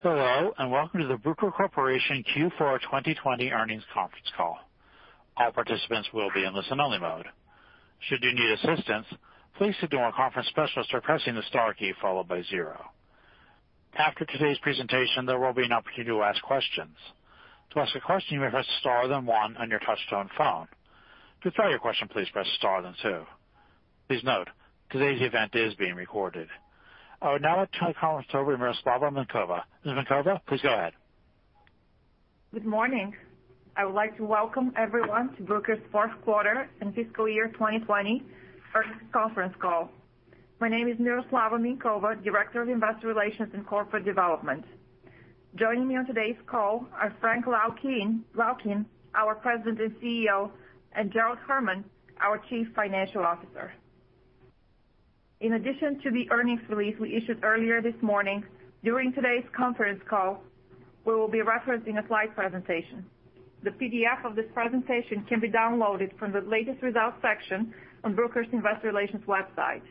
Hello, and welcome to the Bruker Corporation Q4 2020 earnings conference call. All participants will be in listen-only mode. Should you need assistance, please signal a conference specialist or press the star key followed by zero. After today's presentation, there will be an opportunity to ask questions. To ask a question, you may press star then one on your touch-tone phone. To withdraw your question, please press star then two. Please note, today's event is being recorded. I would now like to turn the conference over to Miroslava Minkova. Ms. Minkova, please go ahead. Good morning. I would like to welcome everyone to Bruker's fourth quarter and fiscal year 2020 earnings conference call. My name is Miroslava Minkova, Director of Investor Relations and Corporate Development. Joining me on today's call are Frank Laukien, our President and CEO, and Gerald Herman, our Chief Financial Officer. In addition to the earnings release we issued earlier this morning, during today's conference call, we will be referencing a slide presentation. The PDF of this presentation can be downloaded from the latest results section on Bruker's Investor Relations website.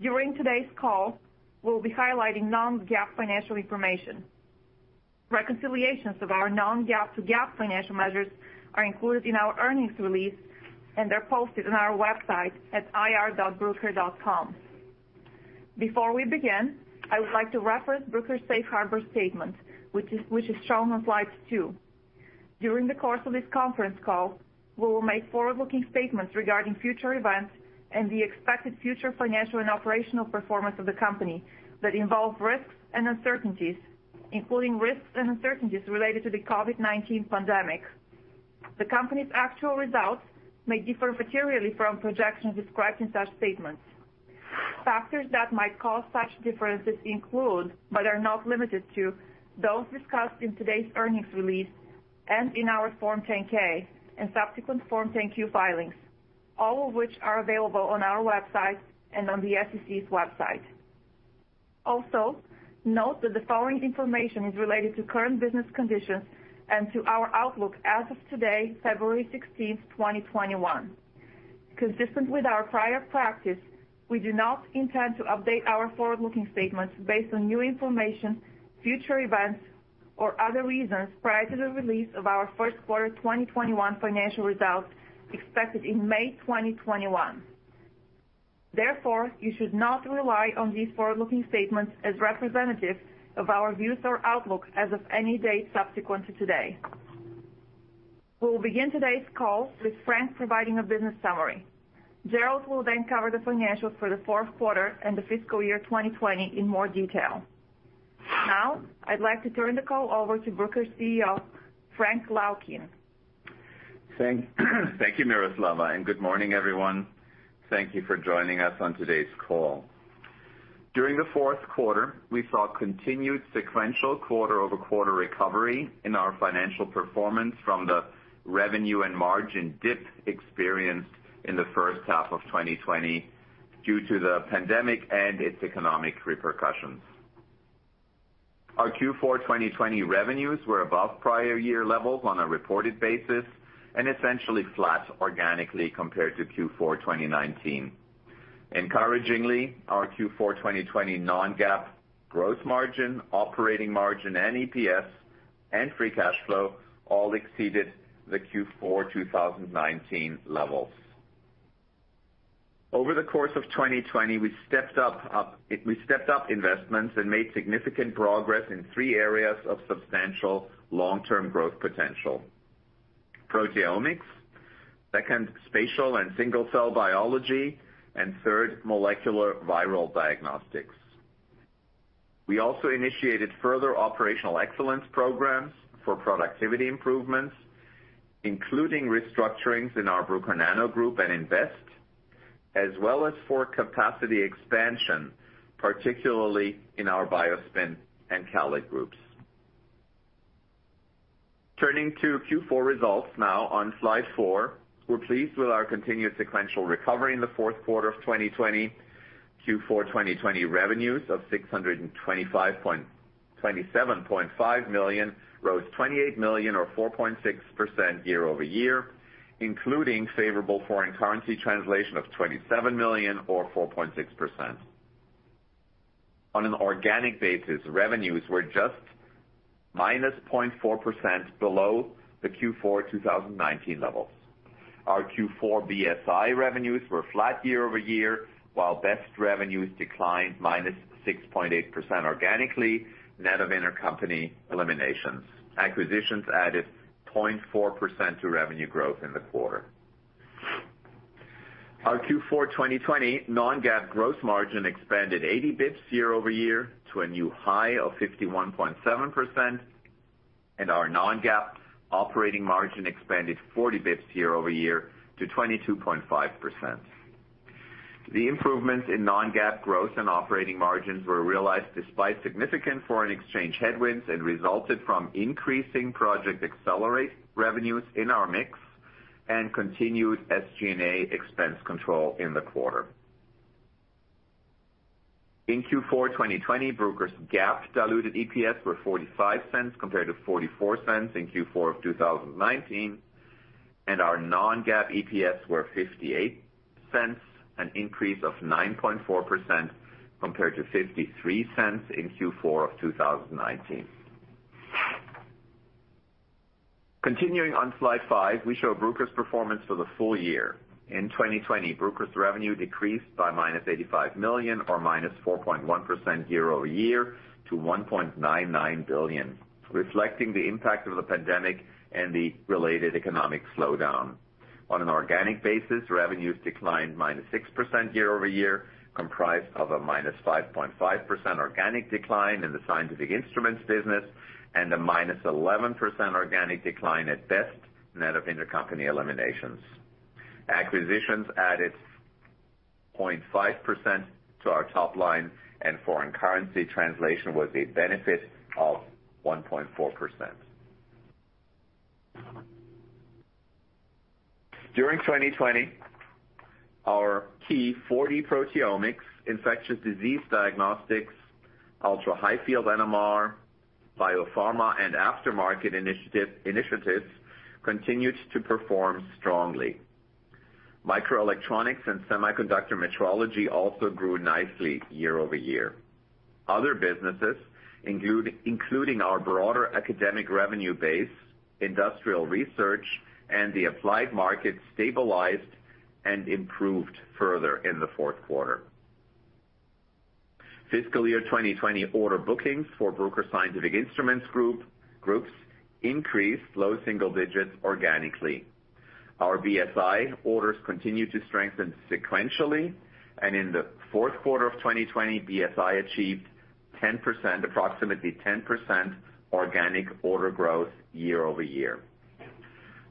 During today's call, we will be highlighting non-GAAP financial information. Reconciliations of our non-GAAP to GAAP financial measures are included in our earnings release, and they're posted on our website at ir.bruker.com. Before we begin, I would like to reference Bruker's safe harbor statement, which is shown on slide two. During the course of this conference call, we will make forward-looking statements regarding future events and the expected future financial and operational performance of the company that involve risks and uncertainties, including risks and uncertainties related to the COVID-19 pandemic. The company's actual results may differ materially from projections described in such statements. Factors that might cause such differences include, but are not limited to, those discussed in today's earnings release and in our Form 10-K and subsequent Form 10-Q filings, all of which are available on our website and on the SEC's website. Also, note that the following information is related to current business conditions and to our outlook as of today, February 16th, 2021. Consistent with our prior practice, we do not intend to update our forward-looking statements based on new information, future events, or other reasons prior to the release of our first quarter 2021 financial results expected in May 2021. Therefore, you should not rely on these forward-looking statements as representative of our views or outlook as of any date subsequent to today. We will begin today's call with Frank providing a business summary. Gerald will then cover the financials for the fourth quarter and the fiscal year 2020 in more detail. Now, I'd like to turn the call over to Bruker's CEO, Frank Laukien. Thank you, Miroslava, and good morning, everyone. Thank you for joining us on today's call. During the fourth quarter, we saw continued sequential quarter-over-quarter recovery in our financial performance from the revenue and margin dip experienced in the first half of 2020 due to the pandemic and its economic repercussions. Our Q4 2020 revenues were above prior year levels on a reported basis and essentially flat organically compared to Q4 2019. Encouragingly, our Q4 2020 Non-GAAP gross margin, operating margin, and EPS, and free cash flow all exceeded the Q4 2019 levels. Over the course of 2020, we stepped up investments and made significant progress in three areas of substantial long-term growth potential: proteomics, second, spatial and single-cell biology, and third, molecular viral diagnostics. We also initiated further operational excellence programs for productivity improvements, including restructurings in our Bruker Nano Group and BEST, as well as for capacity expansion, particularly in our BioSpin and CALID groups. Turning to Q4 results now on slide four, we're pleased with our continued sequential recovery in the fourth quarter of 2020. Q4 2020 revenues of $627.5 million rose $28 million, or 4.6% year-over-year, including favorable foreign currency translation of $27 million, or 4.6%. On an organic basis, revenues were just minus 0.4% below the Q4 2019 levels. Our Q4 BSI revenues were flat year-over-year, while BEST revenues declined minus 6.8% organically, net of intercompany eliminations. Acquisitions added 0.4% to revenue growth in the quarter. Our Q4 2020 non-GAAP gross margin expanded 80 basis points year-over-year to a new high of 51.7%, and our non-GAAP operating margin expanded 40 basis points year-over-year to 22.5%. The improvements in non-GAAP gross and operating margins were realized despite significant foreign exchange headwinds and resulted from increasing Project Accelerate revenues in our mix and continued SG&A expense control in the quarter. In Q4 2020, Bruker's GAAP diluted EPS were $0.45 compared to $0.44 in Q4 of 2019, and our non-GAAP EPS were $0.58, an increase of 9.4% compared to $0.53 in Q4 of 2019. Continuing on slide five, we show Bruker's performance for the full year. In 2020, Bruker's revenue decreased by minus $85 million, or minus 4.1% year-over-year, to $1.99 billion, reflecting the impact of the pandemic and the related economic slowdown. On an organic basis, revenues declined minus 6% year-over-year, comprised of a minus 5.5% organic decline in the scientific instruments business and a minus 11% organic decline at BEST, net of intercompany eliminations. Acquisitions added 0.5% to our top line, and foreign currency translation was a benefit of 1.4%. During 2020, our key 4D proteomics, infectious disease diagnostics, ultra-high field NMR, biopharma, and aftermarket initiatives continued to perform strongly. Microelectronics and semiconductor metrology also grew nicely year-over-year. Other businesses, including our broader academic revenue base, industrial research, and the applied market, stabilized and improved further in the fourth quarter. Fiscal year 2020 order bookings for Bruker Scientific Instruments Group increased low single digits organically. Our BSI orders continued to strengthen sequentially, and in the fourth quarter of 2020, BSI achieved approximately 10% organic order growth year-over-year.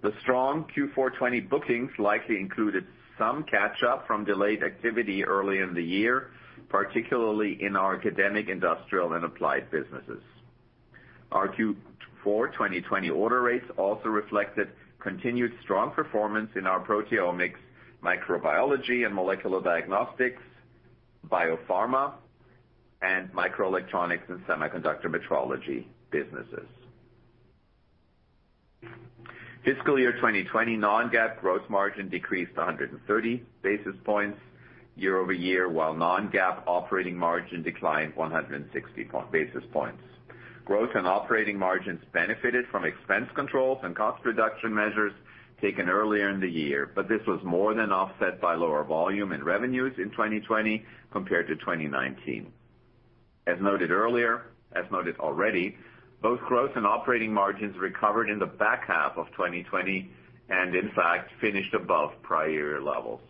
The strong Q4 2020 bookings likely included some catch-up from delayed activity early in the year, particularly in our academic, industrial, and applied businesses. Our Q4 2020 order rates also reflected continued strong performance in our proteomics, microbiology and molecular diagnostics, biopharma, and microelectronics and semiconductor metrology businesses. Fiscal year 2020 non-GAAP gross margin decreased 130 basis points year-over-year, while non-GAAP operating margin declined 160 basis points. Growth and operating margins benefited from expense controls and cost reduction measures taken earlier in the year, but this was more than offset by lower volume and revenues in 2020 compared to 2019. As noted already, both growth and operating margins recovered in the back half of 2020 and, in fact, finished above prior year levels.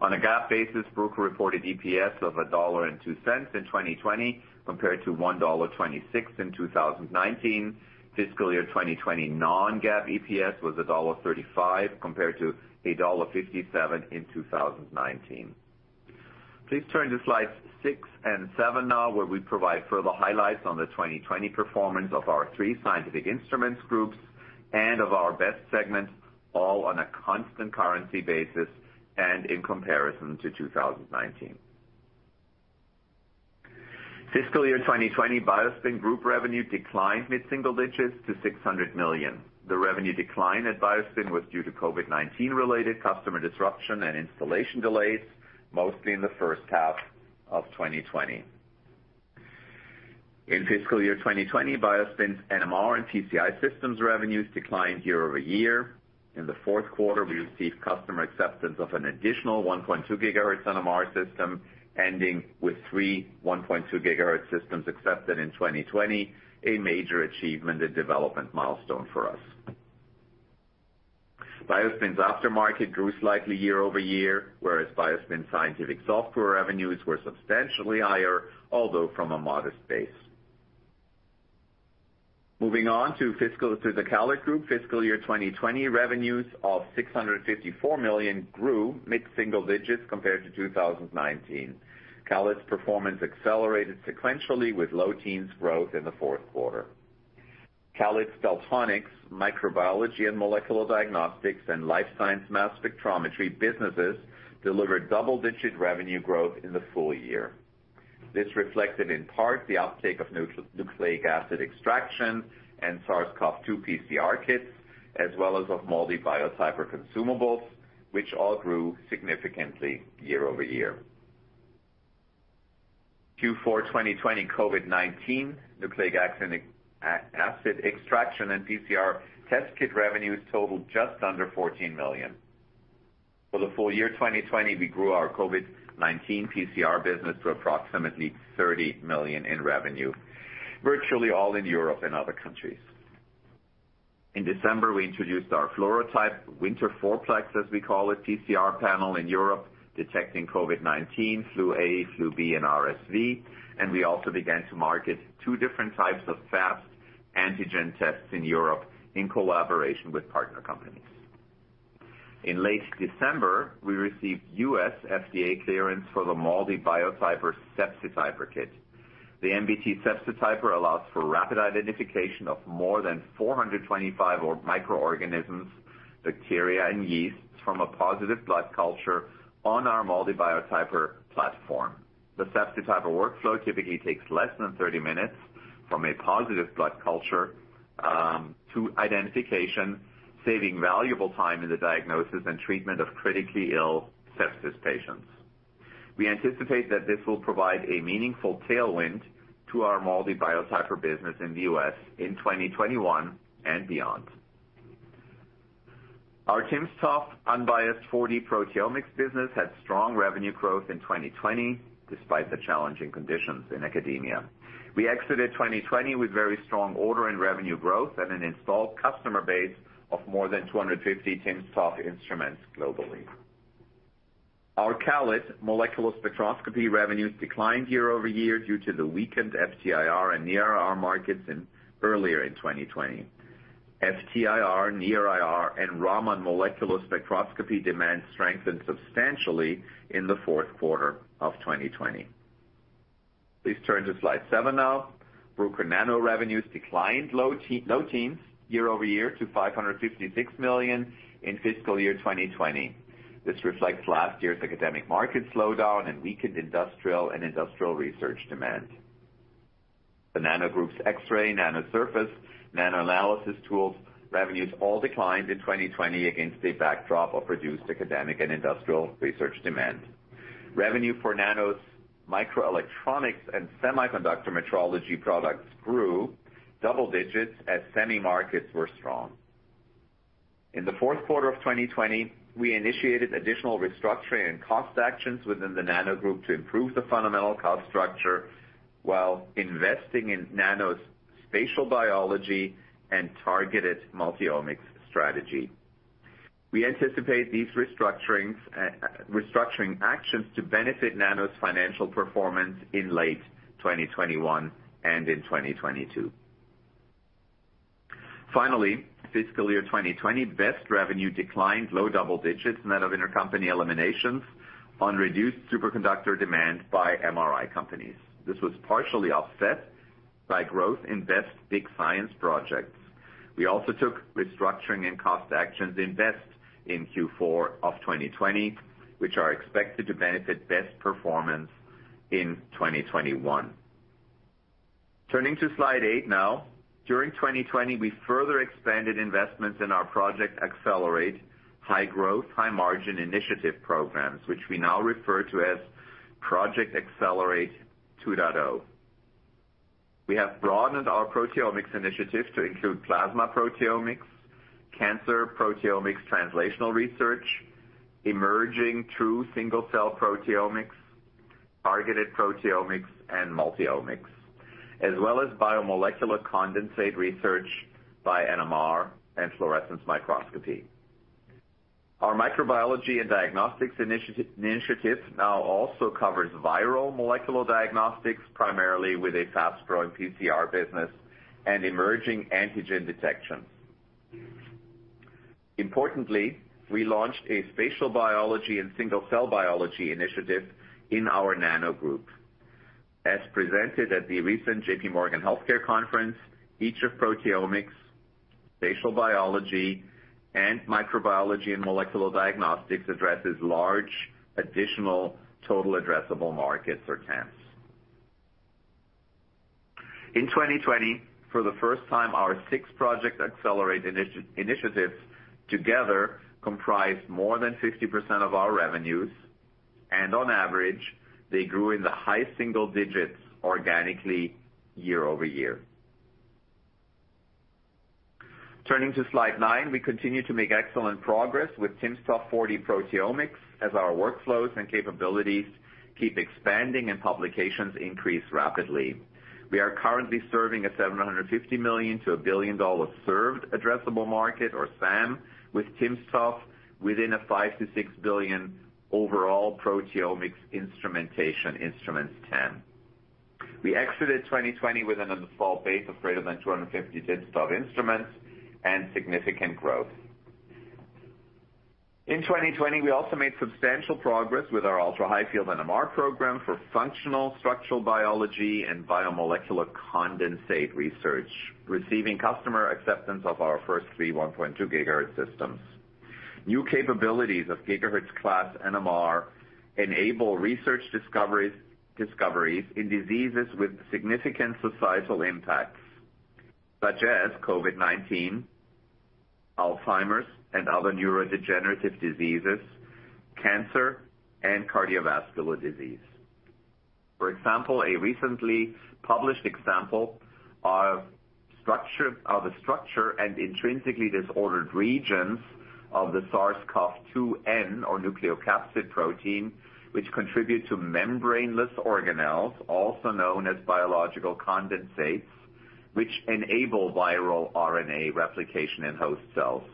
On a GAAP basis, Bruker reported EPS of $1.02 in 2020 compared to $1.26 in 2019. Fiscal year 2020 non-GAAP EPS was $1.35 compared to $1.57 in 2019. Please turn to slides six and seven now, where we provide further highlights on the 2020 performance of our three scientific instruments groups and of our BEST segment, all on a constant currency basis and in comparison to 2019. Fiscal year 2020 BioSpin Group revenue declined mid-single digits to $600 million. The revenue decline at BioSpin was due to COVID-19-related customer disruption and installation delays, mostly in the first half of 2020. In fiscal year 2020, BioSpin's NMR and PCI systems revenues declined year-over-year. In the fourth quarter, we received customer acceptance of an additional 1.2 GHz NMR system, ending with three 1.2 GHz systems accepted in 2020, a major achievement and development milestone for us. BioSpin's aftermarket grew slightly year-over-year, whereas BioSpin scientific software revenues were substantially higher, although from a modest base. Moving on to the CALID group, fiscal year 2020 revenues of $654 million grew mid-single digits compared to 2019. CALID's performance accelerated sequentially with low-teens growth in the fourth quarter. CALID's Daltonics, microbiology and molecular diagnostics, and life science mass spectrometry businesses delivered double-digit revenue growth in the full year. This reflected, in part, the uptake of nucleic acid extraction and SARS-CoV-2 PCR kits, as well as of MALDI Biotyper and consumables, which all grew significantly year-over-year. Q4 2020 COVID-19 nucleic acid extraction and PCR test kit revenues totaled just under $14 million. For the full year 2020, we grew our COVID-19 PCR business to approximately $30 million in revenue, virtually all in Europe and other countries. In December, we introduced our FluoroType Winterplex, as we call it, PCR panel in Europe, detecting COVID-19, flu A, flu B, and RSV, and we also began to market two different types of fast antigen tests in Europe in collaboration with partner companies. In late December, we received U.S. FDA clearance for the MALDI Biotyper MBT Sepsityper kit. The MBT Sepsityper allows for rapid identification of more than 425 microorganisms, bacteria, and yeasts from a positive blood culture on our MALDI Biotyper platform. The Sepsityper workflow typically takes less than 30 minutes from a positive blood culture to identification, saving valuable time in the diagnosis and treatment of critically ill sepsis patients. We anticipate that this will provide a meaningful tailwind to our MALDI Biotyper business in the US in 2021 and beyond. Our timsTOF unbiased 4D proteomics business had strong revenue growth in 2020, despite the challenging conditions in academia. We exited 2020 with very strong order and revenue growth and an installed customer base of more than 250 timsTOF instruments globally. Our CALID molecular spectroscopy revenues declined year-over-year due to the weakened FTIR and near IR markets earlier in 2020. FTIR, near IR, and Raman molecular spectroscopy demand strengthened substantially in the fourth quarter of 2020. Please turn to slide seven now. Bruker Nano revenues declined low teens year-over-year to $556 million in fiscal year 2020. This reflects last year's academic market slowdown and weakened industrial and industrial research demand. The Nano group's X-ray, nano surface, nano analysis tools revenues all declined in 2020 against a backdrop of reduced academic and industrial research demand. Revenue for Nano's microelectronics and semiconductor metrology products grew double digits as semi markets were strong. In the fourth quarter of 2020, we initiated additional restructuring and cost actions within the Nano group to improve the fundamental cost structure while investing in Nano's spatial biology and targeted multi-omics strategy. We anticipate these restructuring actions to benefit Nano's financial performance in late 2021 and in 2022. Finally, fiscal year 2020 BEST revenue declined low double digits net of intercompany eliminations on reduced superconductor demand by MRI companies. This was partially offset by growth in BEST big science projects. We also took restructuring and cost actions in BEST in Q4 of 2020, which are expected to benefit BEST performance in 2021. Turning to slide eight now, during 2020, we further expanded investments in our Project Accelerate high growth, high margin initiative programs, which we now refer to as Project Accelerate 2.0. We have broadened our proteomics initiative to include plasma proteomics, cancer proteomics translational research, emerging true single cell proteomics, targeted proteomics, and multi-omics, as well as biomolecular condensate research by NMR and fluorescence microscopy. Our microbiology and diagnostics initiative now also covers viral molecular diagnostics, primarily with a fast growing PCR business and emerging antigen detection. Importantly, we launched a spatial biology and single cell biology initiative in our Nano Group. As presented at the recent JPMorgan Healthcare conference, each of proteomics, spatial biology, and microbiology and molecular diagnostics addresses large additional total addressable markets or TAMs. In 2020, for the first time, our six Project Accelerate initiatives together comprised more than 50% of our revenues, and on average, they grew in the high single digits organically year-over-year. Turning to slide nine, we continue to make excellent progress with timsTOF 4D proteomics as our workflows and capabilities keep expanding and publications increase rapidly. We are currently serving a $750 million-$1 billion served addressable market or SAM with timsTOF within a $5 billion-$6 billion overall proteomics instrumentation instruments TAM. We exited 2020 with an installed base of greater than 250 timsTOF instruments and significant growth. In 2020, we also made substantial progress with our ultra-high field NMR program for functional structural biology and biomolecular condensate research, receiving customer acceptance of our first three 1.2 GHz systems. New capabilities of GHz class NMR enable research discoveries in diseases with significant societal impacts, such as COVID-19, Alzheimer's, and other neurodegenerative diseases, cancer, and cardiovascular disease. For example, a recently published example of the structure and intrinsically disordered regions of the SARS-CoV-2 N or nucleocapsid protein, which contribute to membraneless organelles, also known as biological condensates, which enable viral RNA replication in host cells.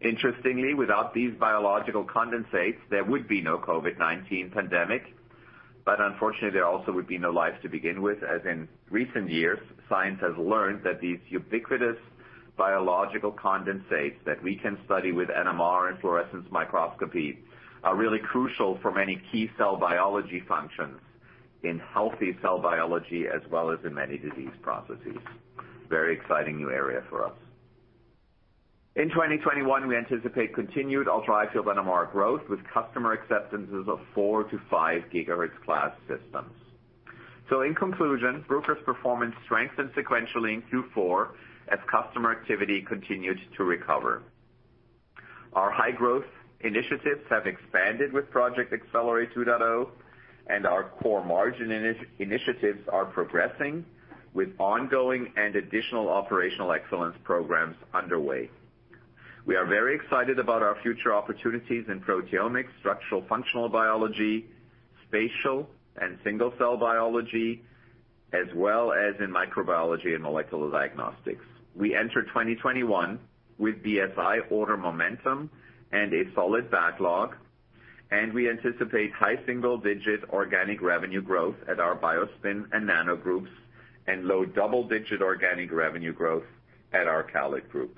Interestingly, without these biological condensates, there would be no COVID-19 pandemic, but unfortunately, there also would be no life to begin with, as in recent years, science has learned that these ubiquitous biological condensates that we can study with NMR and fluorescence microscopy are really crucial for many key cell biology functions in healthy cell biology, as well as in many disease processes. Very exciting new area for us. In 2021, we anticipate continued ultra-high field NMR growth with customer acceptances of four to five GHz class systems. So in conclusion, Bruker's performance strengthened sequentially in Q4 as customer activity continued to recover. Our high growth initiatives have expanded with Project Accelerate 2.0, and our core margin initiatives are progressing with ongoing and additional operational excellence programs underway. We are very excited about our future opportunities in proteomics, structural functional biology, spatial and single cell biology, as well as in microbiology and molecular diagnostics. We enter 2021 with BSI order momentum and a solid backlog, and we anticipate high single digit organic revenue growth at our BioSpin and Nano groups and low double digit organic revenue growth at our CALID group.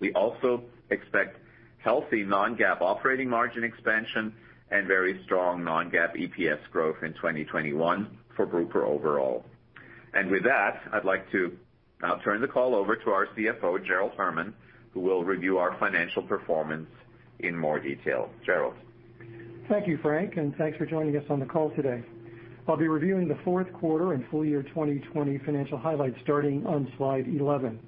We also expect healthy non-GAAP operating margin expansion and very strong non-GAAP EPS growth in 2021 for Bruker overall. And with that, I'd like to now turn the call over to our CFO, Gerald Herman, who will review our financial performance in more detail. Gerald. Thank you, Frank, and thanks for joining us on the call today. I'll be reviewing the fourth quarter and full year 2020 financial highlights starting on slide 11.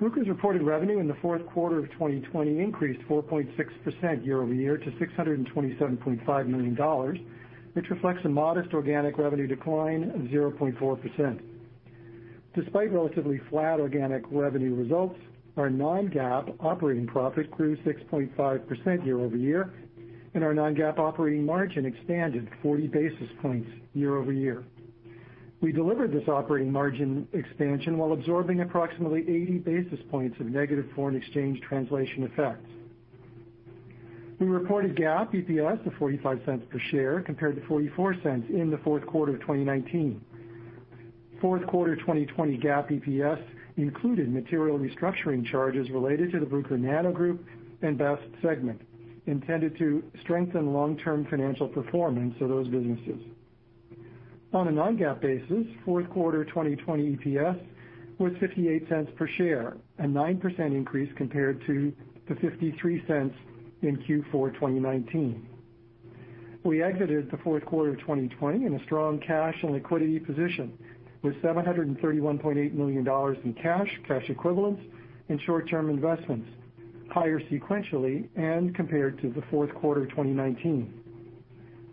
Bruker's reported revenue in the fourth quarter of 2020 increased 4.6% year-over-year to $627.5 million, which reflects a modest organic revenue decline of 0.4%. Despite relatively flat organic revenue results, our non-GAAP operating profit grew 6.5% year-over-year, and our non-GAAP operating margin expanded 40 basis points year-over-year. We delivered this operating margin expansion while absorbing approximately 80 basis points of negative foreign exchange translation effects. We reported GAAP EPS of $0.45 per share compared to $0.44 in the fourth quarter of 2019. Fourth quarter 2020 GAAP EPS included material restructuring charges related to the Bruker Nano Group and BEST segment, intended to strengthen long-term financial performance of those businesses. On a non-GAAP basis, fourth quarter 2020 EPS was $0.58 per share, a 9% increase compared to the $0.53 in Q4 2019. We exited the fourth quarter of 2020 in a strong cash and liquidity position with $731.8 million in cash, cash equivalents, and short-term investments, higher sequentially and compared to the fourth quarter 2019.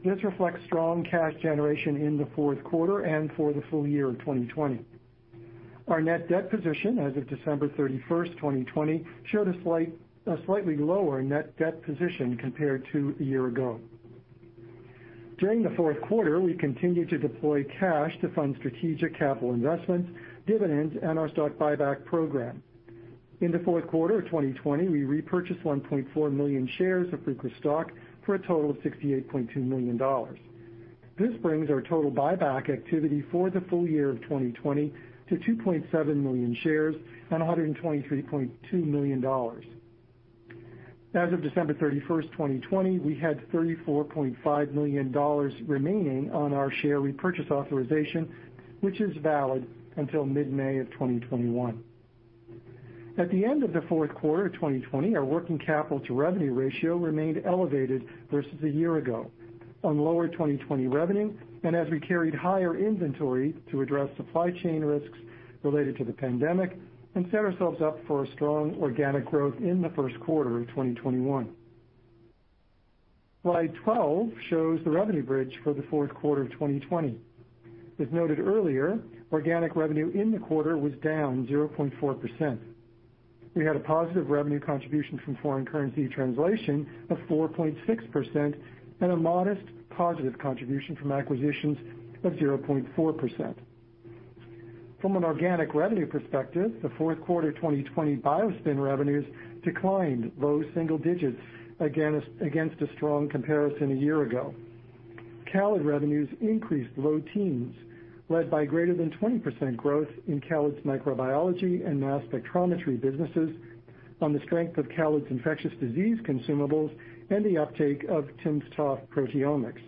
This reflects strong cash generation in the fourth quarter and for the full year of 2020. Our net debt position as of December 31st, 2020, showed a slightly lower net debt position compared to a year ago. During the fourth quarter, we continued to deploy cash to fund strategic capital investments, dividends, and our stock buyback program. In the fourth quarter of 2020, we repurchased 1.4 million shares of Bruker stock for a total of $68.2 million. This brings our total buyback activity for the full year of 2020 to 2.7 million shares and $123.2 million. As of December 31st, 2020, we had $34.5 million remaining on our share repurchase authorization, which is valid until mid-May of 2021. At the end of the fourth quarter of 2020, our working capital to revenue ratio remained elevated versus a year ago on lower 2020 revenue, and as we carried higher inventory to address supply chain risks related to the pandemic and set ourselves up for a strong organic growth in the first quarter of 2021. Slide 12 shows the revenue bridge for the fourth quarter of 2020. As noted earlier, organic revenue in the quarter was down 0.4%. We had a positive revenue contribution from foreign currency translation of 4.6% and a modest positive contribution from acquisitions of 0.4%. From an organic revenue perspective, the fourth quarter 2020 BioSpin revenues declined low single digits against a strong comparison a year ago. CALID revenues increased low teens led by greater than 20% growth in CALID's microbiology and mass spectrometry businesses on the strength of CALID's infectious disease consumables and the uptake of timsTOF proteomics.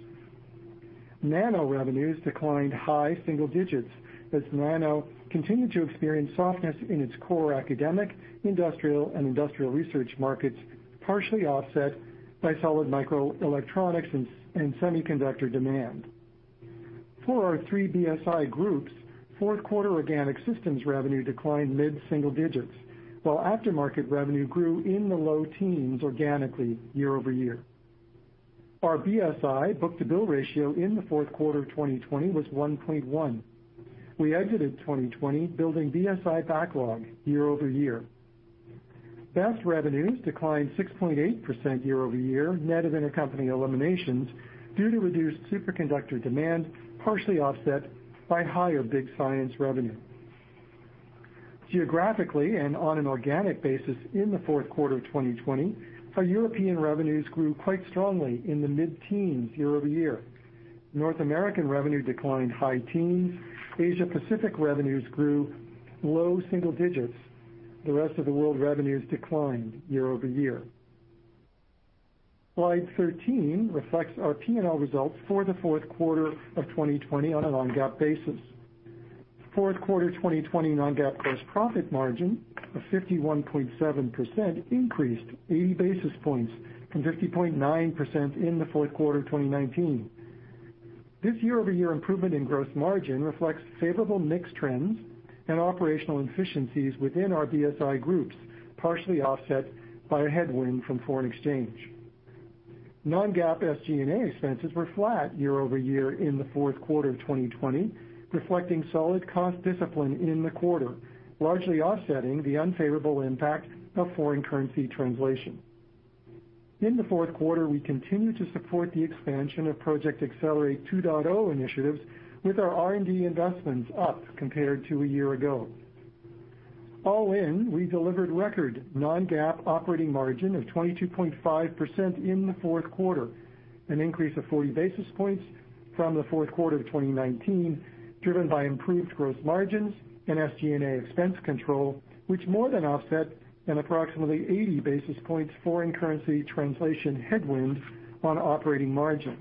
Nano revenues declined high single digits as Nano continued to experience softness in its core academic, industrial, and industrial research markets, partially offset by solid microelectronics and semiconductor demand. For our three BSI groups, fourth quarter organic systems revenue declined mid single digits, while aftermarket revenue grew in the low teens organically year-over-year. Our BSI book to bill ratio in the fourth quarter 2020 was 1.1. We exited 2020 building BSI backlog year-over-year. BEST revenues declined 6.8% year-over-year net of intercompany eliminations due to reduced superconductor demand, partially offset by higher big science revenue. Geographically and on an organic basis in the fourth quarter of 2020, our European revenues grew quite strongly in the mid teens year-over-year. North American revenue declined high teens. Asia Pacific revenues grew low single digits. The rest of the world revenues declined year-over-year. Slide 13 reflects our P&L results for the fourth quarter of 2020 on a non-GAAP basis. Fourth quarter 2020 non-GAAP gross profit margin of 51.7% increased 80 basis points from 50.9% in the fourth quarter of 2019. This year-over-year improvement in gross margin reflects favorable mixed trends and operational efficiencies within our BSI groups, partially offset by a headwind from foreign exchange. Non-GAAP SG&A expenses were flat year-over-year in the fourth quarter of 2020, reflecting solid cost discipline in the quarter, largely offsetting the unfavorable impact of foreign currency translation. In the fourth quarter, we continue to support the expansion of Project Accelerate 2.0 initiatives with our R&D investments up compared to a year ago. All in, we delivered record non-GAAP operating margin of 22.5% in the fourth quarter, an increase of 40 basis points from the fourth quarter of 2019, driven by improved gross margins and SG&A expense control, which more than offset an approximately 80 basis points foreign currency translation headwind on operating margin.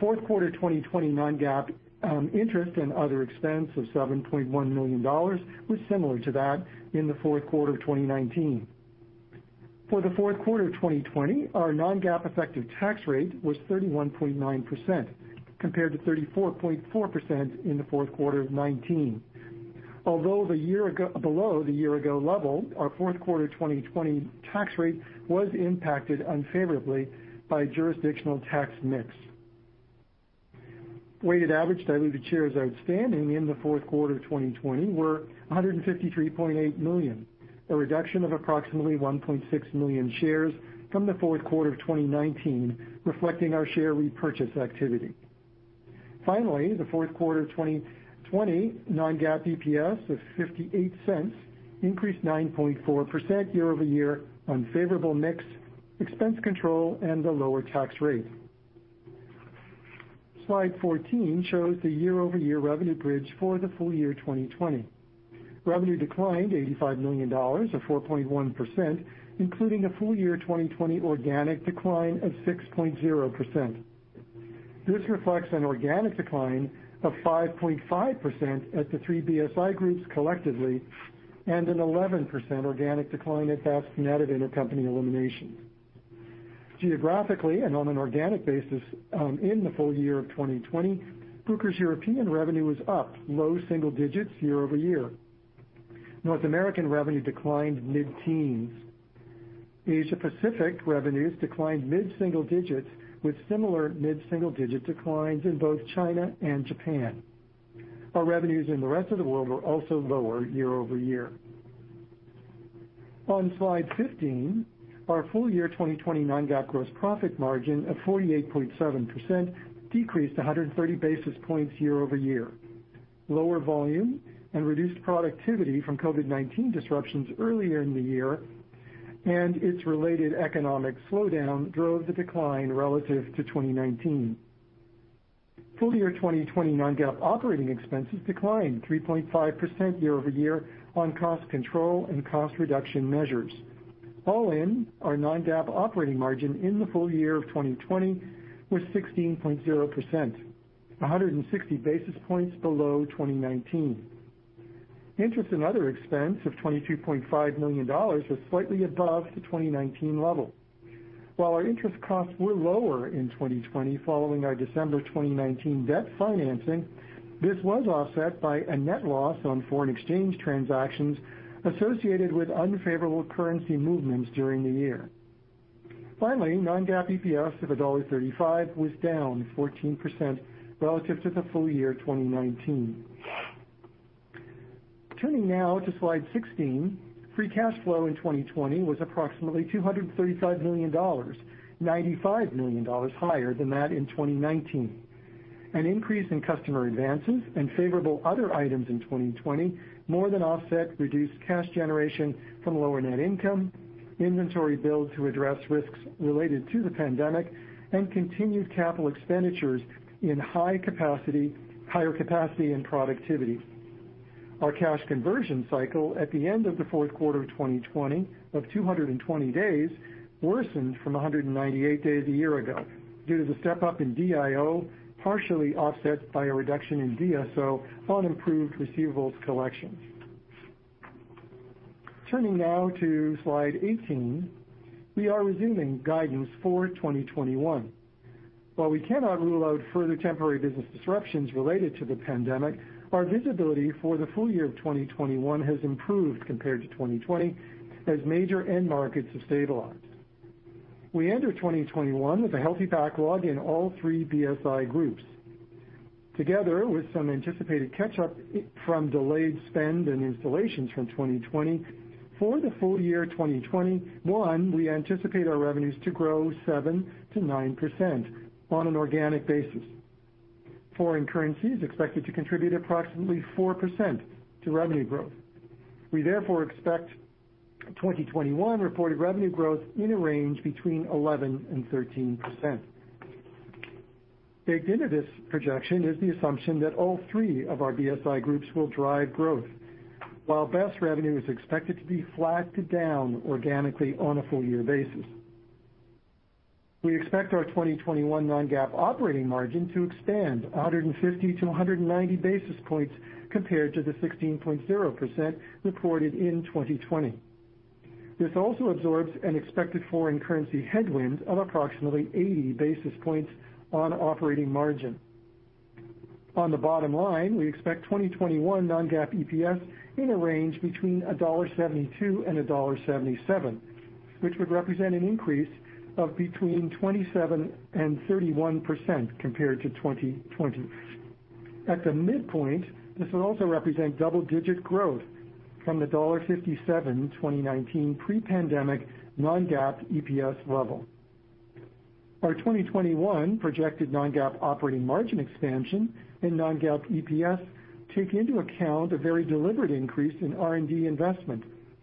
Fourth quarter 2020 non-GAAP interest and other expense of $7.1 million was similar to that in the fourth quarter of 2019. For the fourth quarter of 2020, our non-GAAP effective tax rate was 31.9% compared to 34.4% in the fourth quarter of 2019. Although below the year-ago level, our fourth quarter 2020 tax rate was impacted unfavorably by jurisdictional tax mix. Weighted average diluted shares outstanding in the fourth quarter of 2020 were 153.8 million, a reduction of approximately 1.6 million shares from the fourth quarter of 2019, reflecting our share repurchase activity. Finally, the fourth quarter 2020 non-GAAP EPS of $0.58 increased 9.4% year-over-year on favorable mix expense control and the lower tax rate. Slide 14 shows the year-over-year revenue bridge for the full year 2020. Revenue declined $85 million, a 4.1%, including a full year 2020 organic decline of 6.0%. This reflects an organic decline of 5.5% at the three BSI groups collectively and an 11% organic decline at BEST net of intercompany eliminations. Geographically and on an organic basis in the full year of 2020, Bruker's European revenue was up low single digits year-over-year. North American revenue declined mid teens. Asia Pacific revenues declined mid single digits with similar mid single digit declines in both China and Japan. Our revenues in the rest of the world were also lower year-over-year. On slide 15, our full year 2020 non-GAAP gross profit margin of 48.7% decreased 130 basis points year-over-year. Lower volume and reduced productivity from COVID-19 disruptions earlier in the year and its related economic slowdown drove the decline relative to 2019. Full year 2020 non-GAAP operating expenses declined 3.5% year-over-year on cost control and cost reduction measures. All in, our non-GAAP operating margin in the full year of 2020 was 16.0%, 160 basis points below 2019. Interest and other expense of $22.5 million was slightly above the 2019 level. While our interest costs were lower in 2020 following our December 2019 debt financing, this was offset by a net loss on foreign exchange transactions associated with unfavorable currency movements during the year. Finally, Non-GAAP EPS of $1.35 was down 14% relative to the full year 2019. Turning now to slide 16, free cash flow in 2020 was approximately $235 million, $95 million higher than that in 2019. An increase in customer advances and favorable other items in 2020 more than offset reduced cash generation from lower net income, inventory build to address risks related to the pandemic, and continued capital expenditures in higher capacity and productivity. Our cash conversion cycle at the end of the fourth quarter of 2020 of 220 days worsened from 198 days a year ago due to the step-up in DIO, partially offset by a reduction in DSO on improved receivables collections. Turning now to slide 18, we are resuming guidance for 2021. While we cannot rule out further temporary business disruptions related to the pandemic, our visibility for the full year of 2021 has improved compared to 2020 as major end markets have stabilized. We enter 2021 with a healthy backlog in all three BSI groups. Together with some anticipated catch-up from delayed spend and installations from 2020, for the full year 2021, we anticipate our revenues to grow 7%-9% on an organic basis. Foreign currencies are expected to contribute approximately 4% to revenue growth. We therefore expect 2021 reported revenue growth in a range between 11% and 13%. Baked into this projection is the assumption that all three of our BSI groups will drive growth, while BEST revenue is expected to be flat to down organically on a full year basis. We expect our 2021 non-GAAP operating margin to expand 150 to 190 basis points compared to the 16.0% reported in 2020. This also absorbs an expected foreign currency headwind of approximately 80 basis points on operating margin. On the bottom line, we expect 2021 non-GAAP EPS in a range between $1.72 and $1.77, which would represent an increase of between 27% and 31% compared to 2020. At the midpoint, this would also represent double-digit growth from the $1.57 in 2019 pre-pandemic non-GAAP EPS level. Our 2021 projected non-GAAP operating margin expansion and non-GAAP EPS take into account a very deliberate increase in R&D investment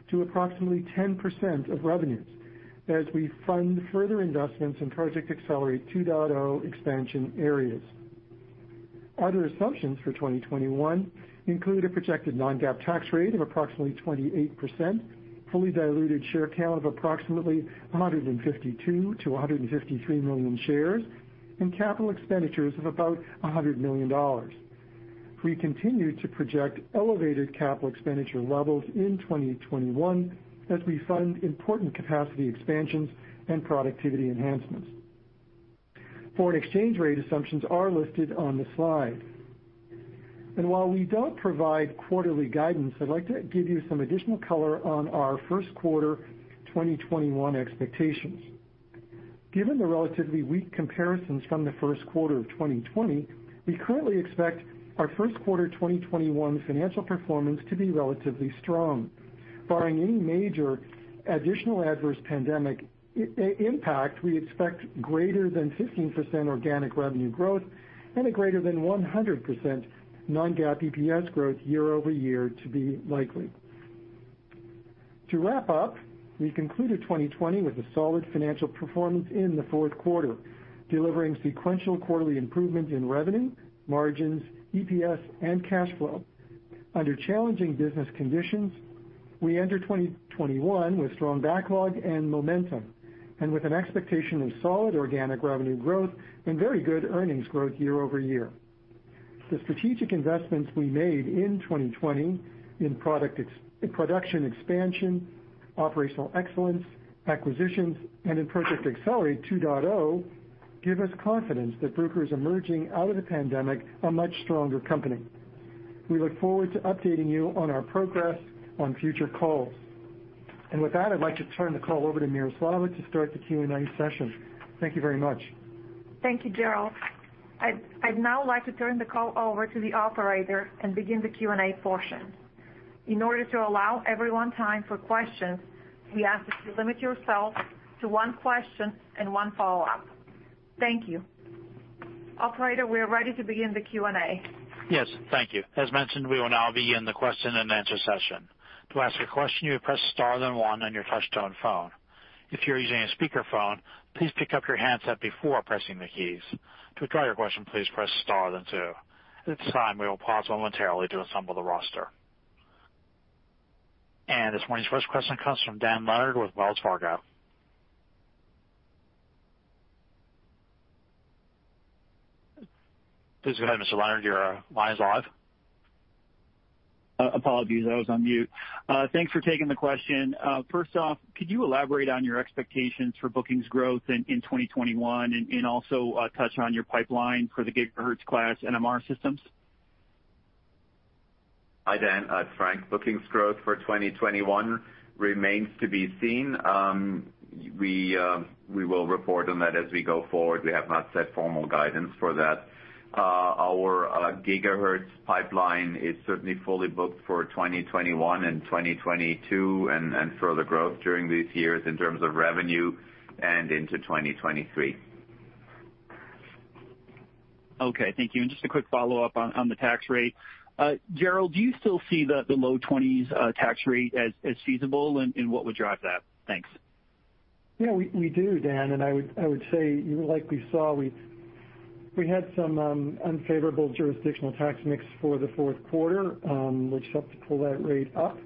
to approximately 10% of revenues as we fund further investments in Project Accelerate 2.0 expansion areas. Other assumptions for 2021 include a projected non-GAAP tax rate of approximately 28%, fully diluted share count of approximately 152-153 million shares, and capital expenditures of about $100 million. We continue to project elevated capital expenditure levels in 2021 as we fund important capacity expansions and productivity enhancements. Foreign exchange rate assumptions are listed on the slide, and while we don't provide quarterly guidance, I'd like to give you some additional color on our first quarter 2021 expectations. Given the relatively weak comparisons from the first quarter of 2020, we currently expect our first quarter 2021 financial performance to be relatively strong. Barring any major additional adverse pandemic impact, we expect greater than 15% organic revenue growth and a greater than 100% non-GAAP EPS growth year-over-year to be likely. To wrap up, we concluded 2020 with a solid financial performance in the fourth quarter, delivering sequential quarterly improvement in revenue, margins, EPS, and cash flow. Under challenging business conditions, we enter 2021 with strong backlog and momentum and with an expectation of solid organic revenue growth and very good earnings growth year-over-year. The strategic investments we made in 2020 in production expansion, operational excellence, acquisitions, and in Project Accelerate 2.0 give us confidence that Bruker is emerging out of the pandemic a much stronger company. We look forward to updating you on our progress on future calls. And with that, I'd like to turn the call over to Miroslava to start the Q&A session. Thank you very much. Thank you, Gerald. I'd now like to turn the call over to the operator and begin the Q&A portion. In order to allow everyone time for questions, we ask that you limit yourself to one question and one follow-up. Thank you. Operator, we are ready to begin the Q&A. Yes, thank you. As mentioned, we will now begin the question and answer session. To ask a question, you would press star then one on your touch-tone phone. If you're using a speakerphone, please pick up your handset before pressing the keys. To withdraw your question, please press star then two. At this time, we will pause momentarily to assemble the roster, and this morning's first question comes from Dan Leonard with Wells Fargo. Please go ahead, Mr. Leonard. Your line is live. Apologies, I was on mute. Thanks for taking the question. First off, could you elaborate on your expectations for bookings growth in 2021 and also touch on your pipeline for the GHz class NMR systems? Hi, Dan. Frank, bookings growth for 2021 remains to be seen. We will report on that as we go forward. We have not set formal guidance for that. Our GHz pipeline is certainly fully booked for 2021 and 2022 and further growth during these years in terms of revenue and into 2023. Okay, thank you. And just a quick follow-up on the tax rate. Gerald, do you still see the low 20s tax rate as feasible and what would drive that? Thanks. Yeah, we do, Dan. And I would say, like we saw, we had some unfavorable jurisdictional tax mix for the fourth quarter. We're expected to pull that rate up.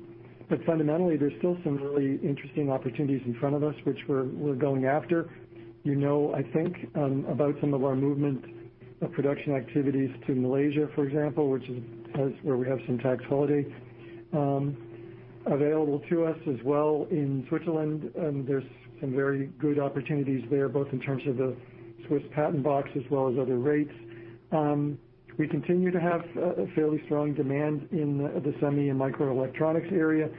But fundamentally, there's still some really interesting opportunities in front of us, which we're going after. You know, I think about some of our movement of production activities to Malaysia, for example, which is where we have some tax holiday available to us as well. In Switzerland, there's some very good opportunities there, both in terms of the Swiss patent box as well as other rates. We continue to have a fairly strong demand in the semi and microelectronics area,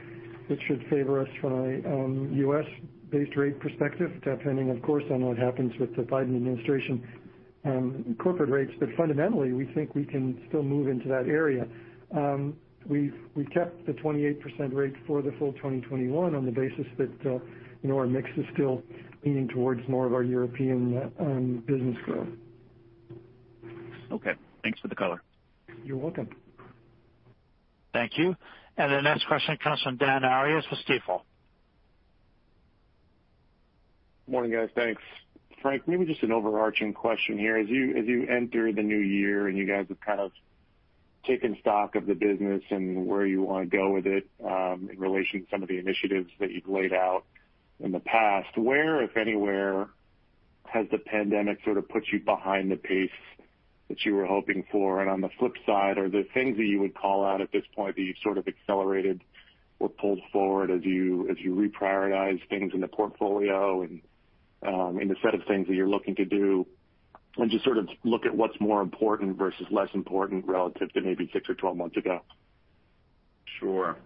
which should favor us from a U.S.-based rate perspective, depending, of course, on what happens with the Biden administration corporate rates. But fundamentally, we think we can still move into that area. We kept the 28% rate for the full 2021 on the basis that our mix is still leaning towards more of our European business growth. Okay, thanks for the color. You're welcome. Thank you. And the next question comes from Dan Arias with Stifel. Morning, guys. Thanks. Frank, maybe just an overarching question here. As you enter the new year and you guys have kind of taken stock of the business and where you want to go with it in relation to some of the initiatives that you've laid out in the past, where, if anywhere, has the pandemic sort of put you behind the pace that you were hoping for? And on the flip side, are there things that you would call out at this point that you've sort of accelerated or pulled forward as you reprioritize things in the portfolio and in the set of things that you're looking to do? And just sort of look at what's more important versus less important relative to maybe six or 12 months ago? Sure,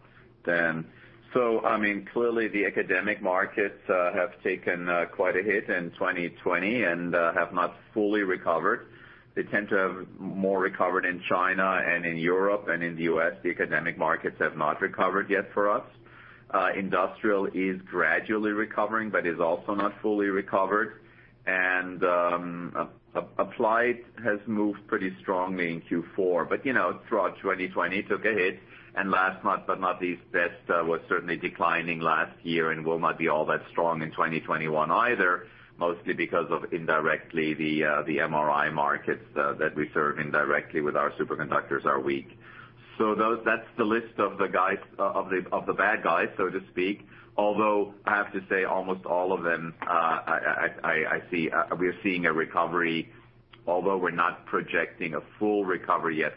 Dan. So I mean, clearly, the academic markets have taken quite a hit in 2020 and have not fully recovered. They tend to have more recovered in China and in Europe and in the U.S. The academic markets have not recovered yet for us. Industrial is gradually recovering but is also not fully recovered. And applied has moved pretty strongly in Q4. But throughout 2020, it took a hit. And last but not least, BEST was certainly declining last year and will not be all that strong in 2021 either, mostly because of indirectly the MRI markets that we serve indirectly with our superconductors are weak. So that's the list of the bad guys, so to speak. Although I have to say, almost all of them, we're seeing a recovery, although we're not projecting a full recovery yet,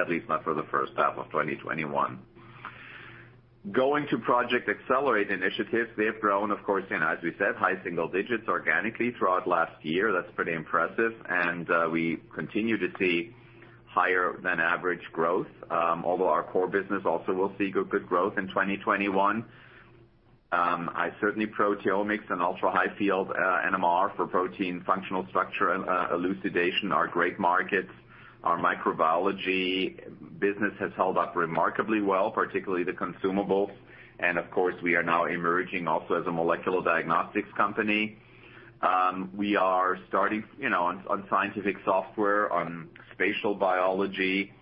at least not for the first half of 2021. Going to Project Accelerate initiatives, they have grown, of course, as we said, high single digits organically throughout last year. That's pretty impressive. We continue to see higher than average growth, although our core business also will see good growth in 2021. I certainly proteomics and ultra-high field NMR for protein functional structure elucidation are great markets. Our microbiology business has held up remarkably well, particularly the consumables. Of course, we are now emerging also as a molecular diagnostics company. We are starting on scientific software, on spatial biology,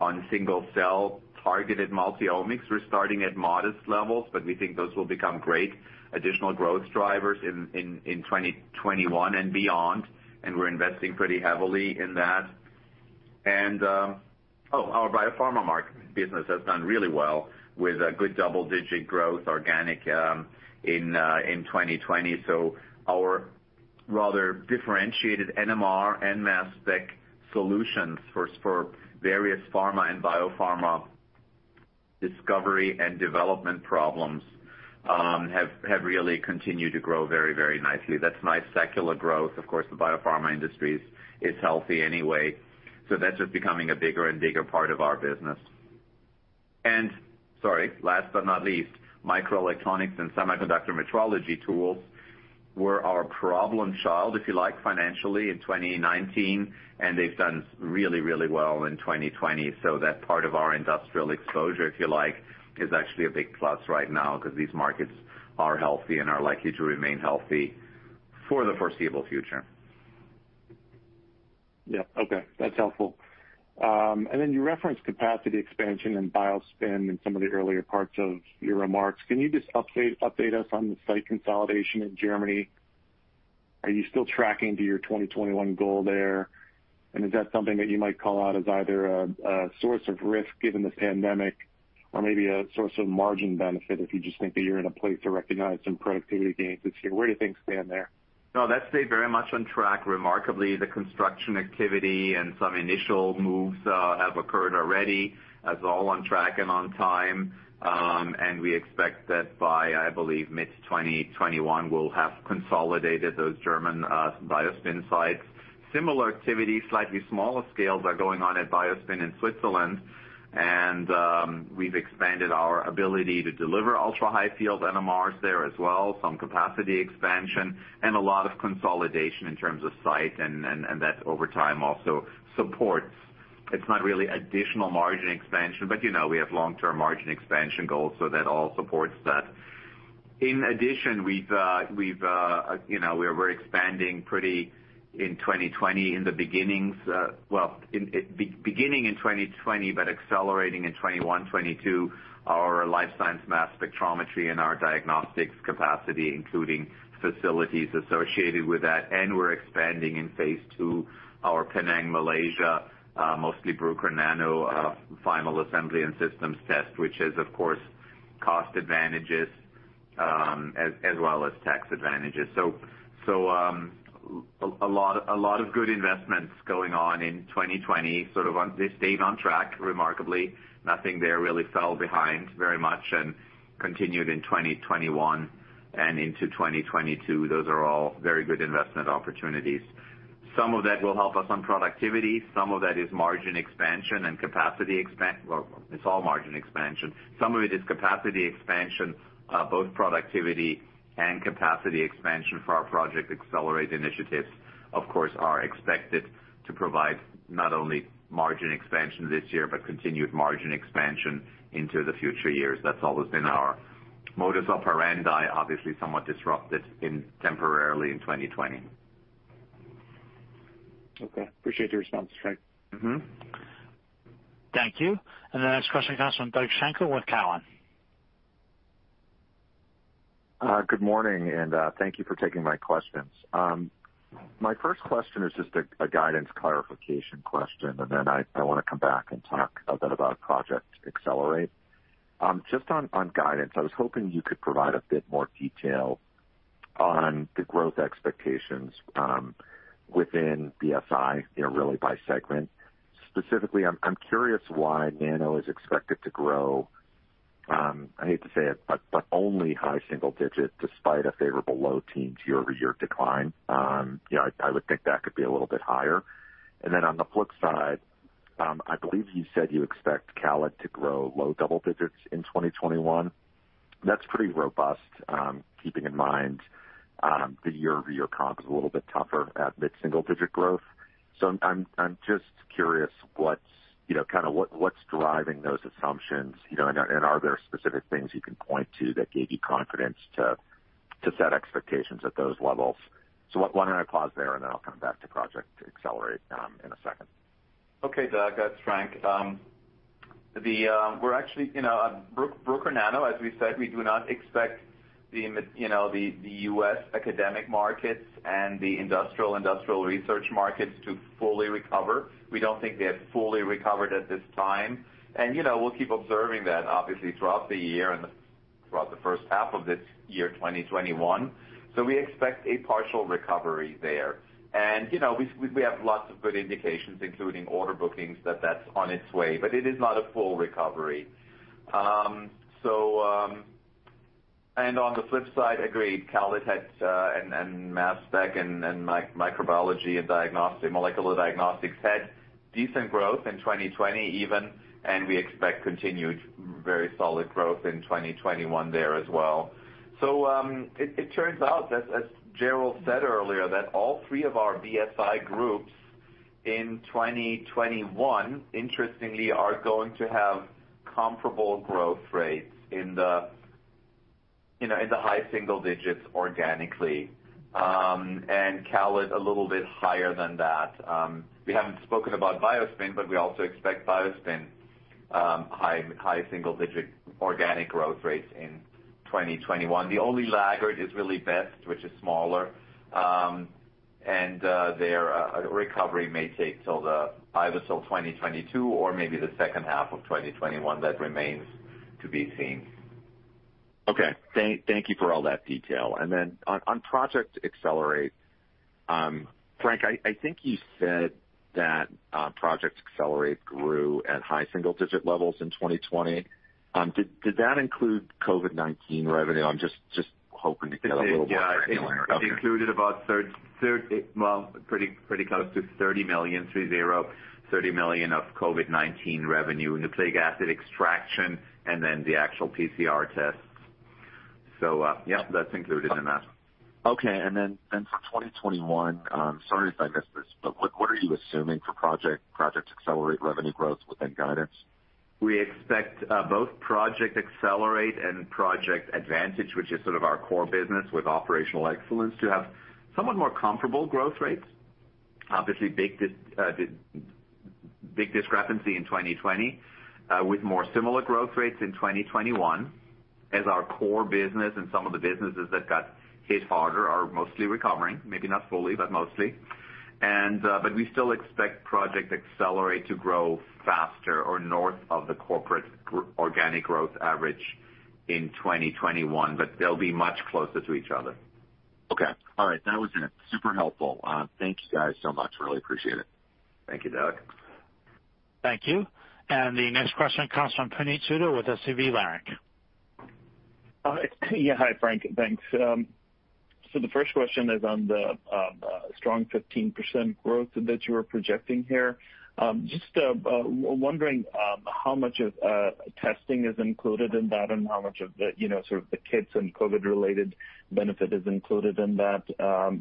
on single-cell targeted multi-omics. We're starting at modest levels, but we think those will become great additional growth drivers in 2021 and beyond. We're investing pretty heavily in that. Our biopharma market business has done really well with a good double-digit growth, organic, in 2020. Our rather differentiated NMR and mass spec solutions for various pharma and biopharma discovery and development problems have really continued to grow very, very nicely. That's nice secular growth. Of course, the biopharma industry is healthy anyway. So that's just becoming a bigger and bigger part of our business. And sorry, last but not least, microelectronics and semiconductor metrology tools were our problem child, if you like, financially in 2019. And they've done really, really well in 2020. So that part of our industrial exposure, if you like, is actually a big plus right now because these markets are healthy and are likely to remain healthy for the foreseeable future. Yeah, okay. That's helpful. And then you referenced capacity expansion and BioSpin in some of the earlier parts of your remarks. Can you just update us on the site consolidation in Germany? Are you still tracking to your 2021 goal there? Is that something that you might call out as either a source of risk given the pandemic or maybe a source of margin benefit if you just think that you're in a place to recognize some productivity gains this year? Where do things stand there? No, that stayed very much on track. Remarkably, the construction activity and some initial moves have occurred already. That's all on track and on time. We expect that by, I believe, mid-2021, we'll have consolidated those German BioSpin sites. Similar activity, slightly smaller scales are going on at BioSpin in Switzerland. We've expanded our ability to deliver ultra-high field NMRs there as well, some capacity expansion, and a lot of consolidation in terms of site. That over time also supports. It's not really additional margin expansion, but we have long-term margin expansion goals, so that all supports that. In addition, we were expanding pretty in the beginning in 2020 but accelerating in 2021, 2022, our life science mass spectrometry and our diagnostics capacity, including facilities associated with that, and we're expanding in Phase Two our Penang, Malaysia, mostly Bruker Nano final assembly and systems test, which has, of course, cost advantages as well as tax advantages, so a lot of good investments going on in 2020. They stayed on track, remarkably. Nothing there really fell behind very much, and continued in 2021 and into 2022. Those are all very good investment opportunities. Some of that will help us on productivity. Some of that is margin expansion and capacity expansion, well, it's all margin expansion. Some of it is capacity expansion. Both productivity and capacity expansion for our Project Accelerate initiatives, of course, are expected to provide not only margin expansion this year but continued margin expansion into the future years. That's always been our modus operandi, obviously somewhat disrupted temporarily in 2020. Okay, appreciate your response, Frank. Thank you. And the next question comes from Doug Schenkel with Cowen. Good morning, and thank you for taking my questions. My first question is just a guidance clarification question, and then I want to come back and talk a bit about Project Accelerate. Just on guidance, I was hoping you could provide a bit more detail on the growth expectations within BSI, really by segment. Specifically, I'm curious why Nano is expected to grow, I hate to say it, but only high single digits despite a favorable low teen year-over-year decline. I would think that could be a little bit higher. And then on the flip side, I believe you said you expect CALID to grow low double digits in 2021. That's pretty robust, keeping in mind the year-over-year comp is a little bit tougher at mid-single digit growth. So I'm just curious kind of what's driving those assumptions, and are there specific things you can point to that gave you confidence to set expectations at those levels? So why don't I pause there, and then I'll come back to Project Accelerate in a second. Okay, Doug, that's Frank. We're actually at Bruker Nano, as we said. We do not expect the U.S. academic markets and the industrial research markets to fully recover. We don't think they have fully recovered at this time. And we'll keep observing that, obviously, throughout the year and throughout the first half of this year, 2021. So we expect a partial recovery there. And we have lots of good indications, including order bookings, that that's on its way. But it is not a full recovery. And on the flip side, agreed. CALID and mass spec and microbiology and molecular diagnostics had decent growth in 2020 even, and we expect continued very solid growth in 2021 there as well. So it turns out, as Gerald said earlier, that all three of our BSI groups in 2021, interestingly, are going to have comparable growth rates in the high single digits organically and CALID a little bit higher than that. We haven't spoken about BioSpin, but we also expect BioSpin high single digit organic growth rates in 2021. The only laggard is really BEST, which is smaller. And their recovery may take either till 2022 or maybe the second half of 2021. That remains to be seen. Okay, thank you for all that detail. Then on Project Accelerate, Frank, I think you said that Project Accelerate grew at high single digit levels in 2020. Did that include COVID-19 revenue? I'm just hoping to get a little more granular. Yeah, it included about, well, pretty close to $30 million through Q4, $30 million of COVID-19 revenue in the nucleic acid extraction and then the actual PCR tests. So yeah, that's included in that. Okay, and then for 2021, sorry if I missed this, but what are you assuming for Project Accelerate revenue growth within guidance? We expect both Project Accelerate and Project Advantage, which is sort of our core business with operational excellence, to have somewhat more comparable growth rates. Obviously, big discrepancy in 2020 with more similar growth rates in 2021 as our core business and some of the businesses that got hit harder are mostly recovering, maybe not fully, but mostly. But we still expect Project Accelerate to grow faster or north of the corporate organic growth average in 2021, but they'll be much closer to each other. Okay, all right. That was super helpful. Thank you guys so much. Really appreciate it. Thank you, Doug. Thank you. And the next question comes from Puneet Souda with SVB Leerink. Yeah, hi Frank, thanks. So the first question is on the strong 15% growth that you were projecting here. Just wondering how much of testing is included in that and how much of the sort of the kits and COVID-related benefit is included in that.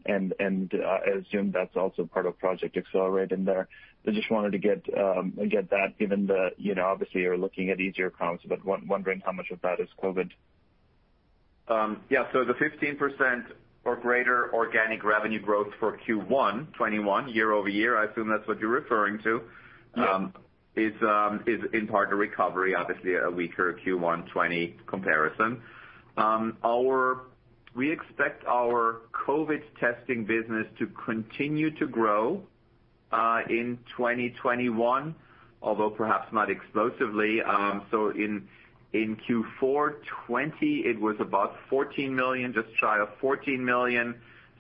And I assume that's also part of Project Accelerate in there. I just wanted to get that given the, obviously, you're looking at easier comps, but wondering how much of that is COVID. Yeah, so the 15% or greater organic revenue growth for Q1 2021 year-over-year, I assume that's what you're referring to, is in part a recovery, obviously, a weaker Q1 2020 comparison. We expect our COVID testing business to continue to grow in 2021, although perhaps not explosively. So in Q4 2020, it was about $14 million, just shy of $14 million.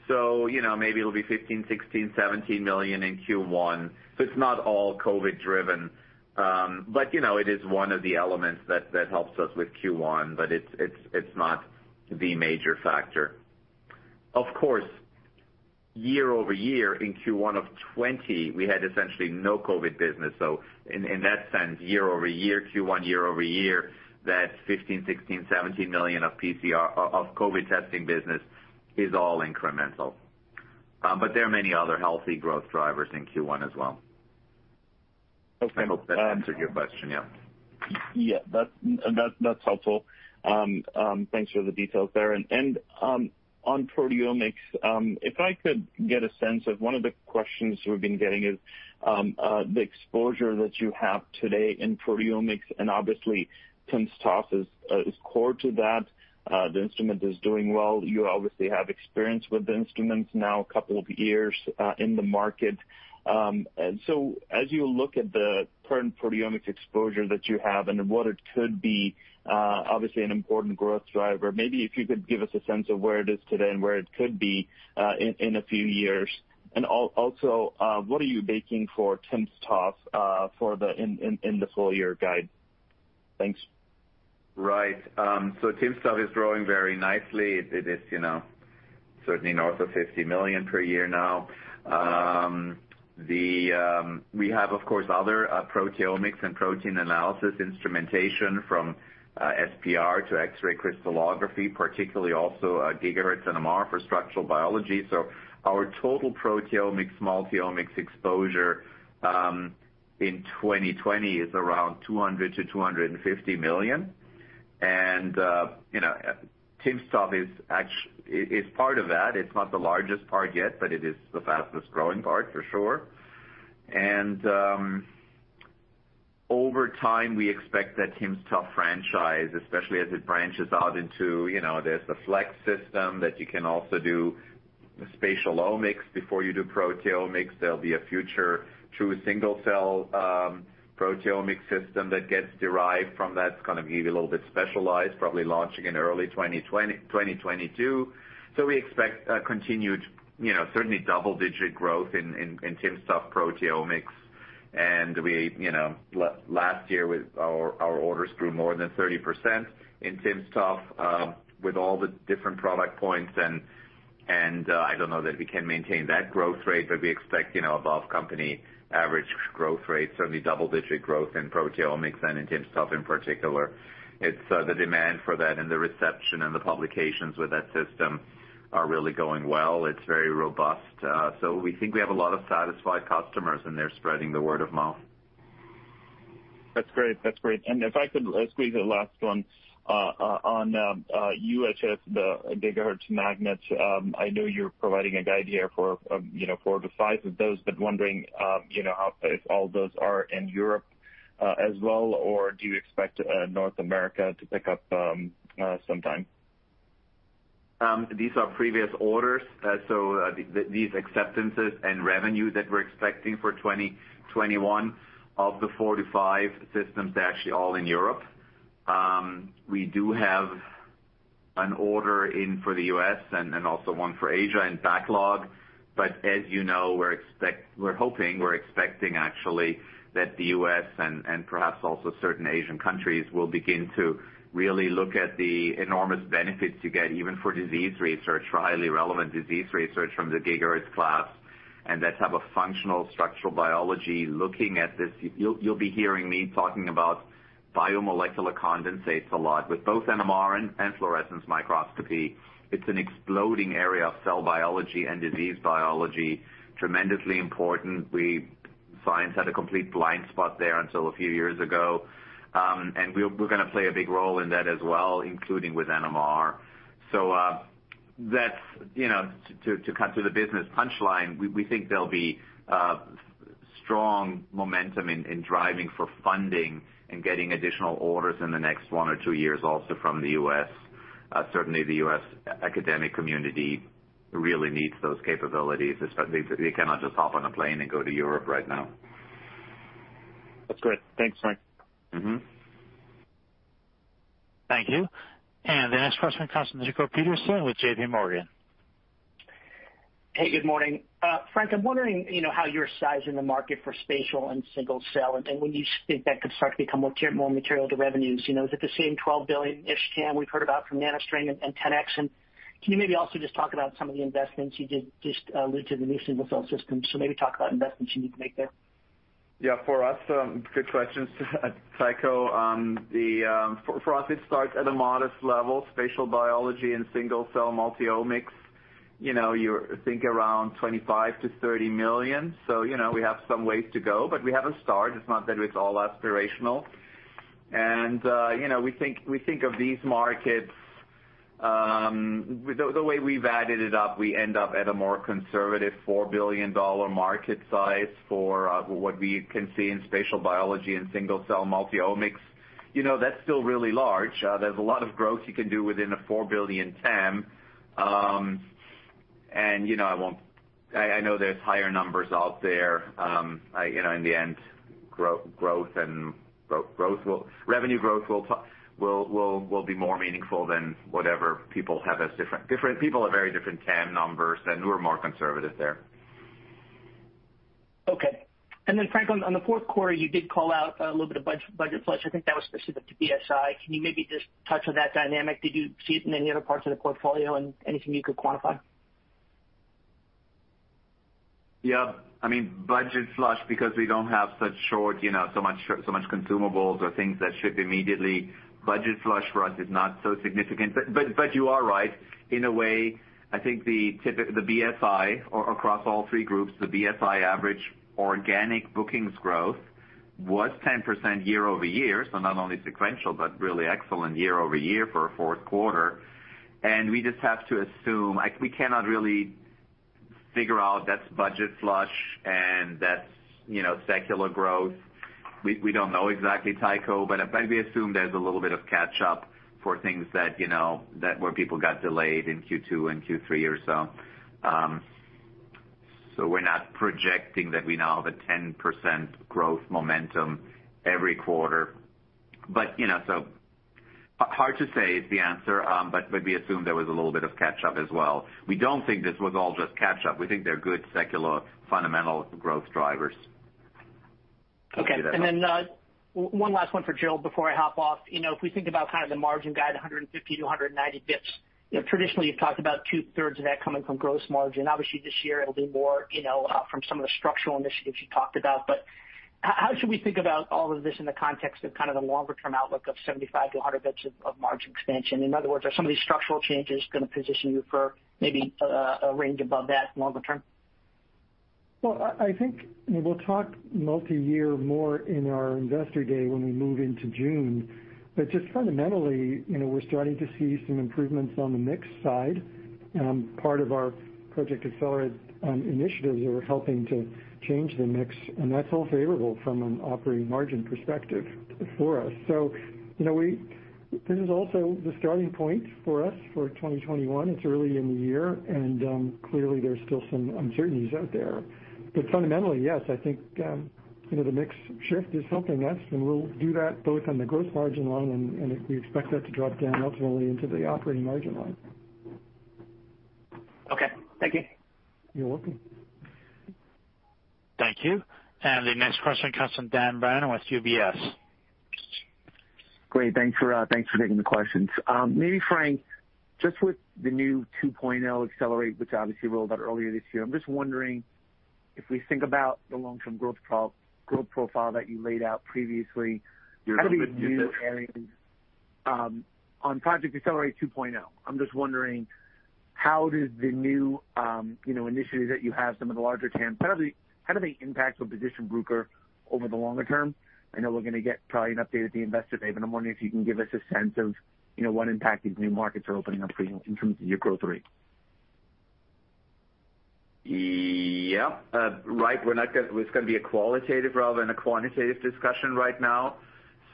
So maybe it'll be $15 million, $16 million, $17 million in Q1. So it's not all COVID-driven. But it is one of the elements that helps us with Q1, but it's not the major factor. Of course, year-over-year in Q1 of 2020, we had essentially no COVID business. So in that sense, year-over-year, Q1 year-over-year, that $15 million, $16 million, $17 million of COVID testing business is all incremental. But there are many other healthy growth drivers in Q1 as well. I hope that answered your question, yeah. Yeah, that's helpful. Thanks for the details there. And on proteomics, if I could get a sense of one of the questions we've been getting is the exposure that you have today in proteomics. And obviously, timsTOF is core to that. The instrument is doing well. You obviously have experience with the instruments now, a couple of years in the market. So as you look at the current proteomics exposure that you have and what it could be, obviously, an important growth driver, maybe if you could give us a sense of where it is today and where it could be in a few years. And also, what are you baking for timsTOF in the full year guide? Thanks. Right. So timsTOF is growing very nicely. It is certainly north of $50 million per year now. We have, of course, other proteomics and protein analysis instrumentation from SPR to X-ray crystallography, particularly also GHz and NMR for structural biology. So our total proteomics, multiomics exposure in 2020 is around $200 million-$250 million. And timsTOF is part of that. It's not the largest part yet, but it is the fastest growing part, for sure. And over time, we expect that timsTOF franchise, especially as it branches out into, there's the Flex system that you can also do spatial omics before you do proteomics. There'll be a future true single-cell proteomics system that gets derived from that. It's going to be a little bit specialized, probably launching in early 2022. So we expect continued, certainly double-digit growth in timsTOF proteomics. And last year, our orders grew more than 30% in timsTOF with all the different product points. I don't know that we can maintain that growth rate, but we expect above company average growth rate, certainly double-digit growth in proteomics and in timsTOF in particular. It's the demand for that and the reception and the publications with that system are really going well. It's very robust. So we think we have a lot of satisfied customers, and they're spreading the word of mouth. That's great. That's great. And if I could squeeze the last one on UHF, the GHz magnets, I know you're providing a guide here for four to five of those, but wondering if all those are in Europe as well, or do you expect North America to pick up sometime? These are previous orders. So these acceptances and revenue that we're expecting for 2021, of the 45 systems, they're actually all in Europe. We do have an order in for the U.S. And also one for Asia and backlog. But as you know, we're hoping, we're expecting actually that the U.S. and perhaps also certain Asian countries will begin to really look at the enormous benefits you get, even for disease research, for highly relevant disease research from the GHz class and that type of functional structural biology. Looking at this, you'll be hearing me talking about biomolecular condensates a lot with both NMR and fluorescence microscopy. It's an exploding area of cell biology and disease biology, tremendously important. Science had a complete blind spot there until a few years ago. And we're going to play a big role in that as well, including with NMR. So that's to cut to the business punchline, we think there'll be strong momentum in driving for funding and getting additional orders in the next one or two years also from the U.S. Certainly, the U.S. academic community really needs those capabilities, especially they cannot just hop on a plane and go to Europe right now. That's great. Thanks, Frank. Thank you. And the next question comes from Tycho Peterson with JPMorgan. Hey, good morning. Frank, I'm wondering how you're sizing the market for spatial and single-cell. And when you think that could start to become more material to revenues, is it the same 12 billion-ish TAM we've heard about from NanoString and 10x? And can you maybe also just talk about some of the investments? You did just allude to the new single-cell system. So maybe talk about investments you need to make there. Yeah, for us, good questions, Tycho. For us, it starts at a modest level. Spatial biology and single-cell multiomics, you think around $25 million-$30 million. So we have some ways to go, but we have a start. It's not that it's all aspirational. And we think of these markets the way we've added it up, we end up at a more conservative $4 billion market size for what we can see in spatial biology and single-cell multiomics. That's still really large. There's a lot of growth you can do within a $4 billion SAM. And I know there's higher numbers out there. In the end, growth and revenue growth will be more meaningful than whatever people have as different people have very different SAM numbers, and we're more conservative there. Okay. And then, Frank, on the fourth quarter, you did call out a little bit of budget flush. I think that was specific to BSI. Can you maybe just touch on that dynamic? Did you see it in any other parts of the portfolio and anything you could quantify? Yeah. I mean, budget flush because we don't have such short, so much consumables or things that ship immediately. Budget flush for us is not so significant. But you are right. In a way, I think the BSI across all three groups, the BSI average organic bookings growth was 10% year-over-year. So not only sequential, but really excellent year-over-year for a fourth quarter. And we just have to assume we cannot really figure out that's budget flush and that's secular growth. We don't know exactly, Tycho, but we assume there's a little bit of catch-up for things that were people got delayed in Q2 and Q3 or so. So we're not projecting that we now have a 10% growth momentum every quarter. But so hard to say is the answer, but we assume there was a little bit of catch-up as well. We don't think this was all just catch-up. We think they're good secular fundamental growth drivers. Okay. And then one last one for Gil before I hop off. If we think about kind of the margin guide, 150 bips to 190 bips, traditionally, you've talked about two-thirds of that coming from gross margin. Obviously, this year, it'll be more from some of the structural initiatives you talked about. But how should we think about all of this in the context of kind of the longer-term outlook of 75 bips to 100 bips of margin expansion? In other words, are some of these structural changes going to position you for maybe a range above that longer term? Well, I think we'll talk multi-year more in our investor day when we move into June. But just fundamentally, we're starting to see some improvements on the mix side. Part of our Project Accelerate initiatives are helping to change the mix, and that's all favorable from an operating margin perspective for us. So this is also the starting point for us for 2021. It's early in the year, and clearly, there's still some uncertainties out there. But fundamentally, yes, I think the mix shift is helping us, and we'll do that both on the gross margin line, and we expect that to drop down ultimately into the operating margin line. Okay. Thank you. You're welcome. Thank you. And the next question comes from Dan Brennan with UBS. Great. Thanks for taking the questions. Maybe, Frank, just with the new 2.0 Accelerate, which obviously rolled out earlier this year, I'm just wondering if we think about the long-term growth profile that you laid out previously, how do these new areas on Project Accelerate 2.0? I'm just wondering how the new initiative that you have, some of the larger SAMs, how do they impact or position Bruker over the longer term? I know we're going to get probably an update at the investor day, but I'm wondering if you can give us a sense of what impact these new markets are opening up for you in terms of your growth rate. Yeah. Right. It's going to be a qualitative rather than a quantitative discussion right now.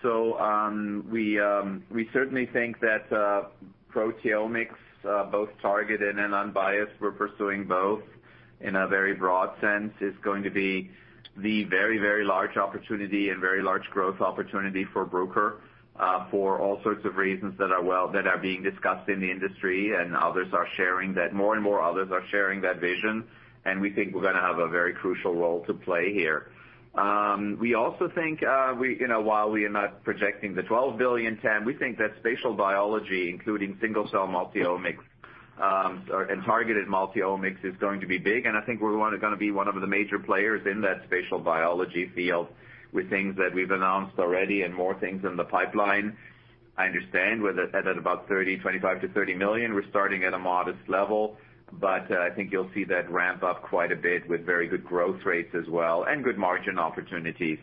So we certainly think that proteomics, both targeted and unbiased, we're pursuing both in a very broad sense, is going to be the very, very large opportunity and very large growth opportunity for Bruker for all sorts of reasons that are being discussed in the industry, and others are sharing that, more and more others are sharing that vision. And we think we're going to have a very crucial role to play here. We also think while we are not projecting the $12 billion TAM, we think that spatial biology, including single-cell multiomics and targeted multiomics, is going to be big. And I think we're going to be one of the major players in that spatial biology field with things that we've announced already and more things in the pipeline. I understand we're at about 25-30 million. We're starting at a modest level, but I think you'll see that ramp up quite a bit with very good growth rates as well and good margin opportunities.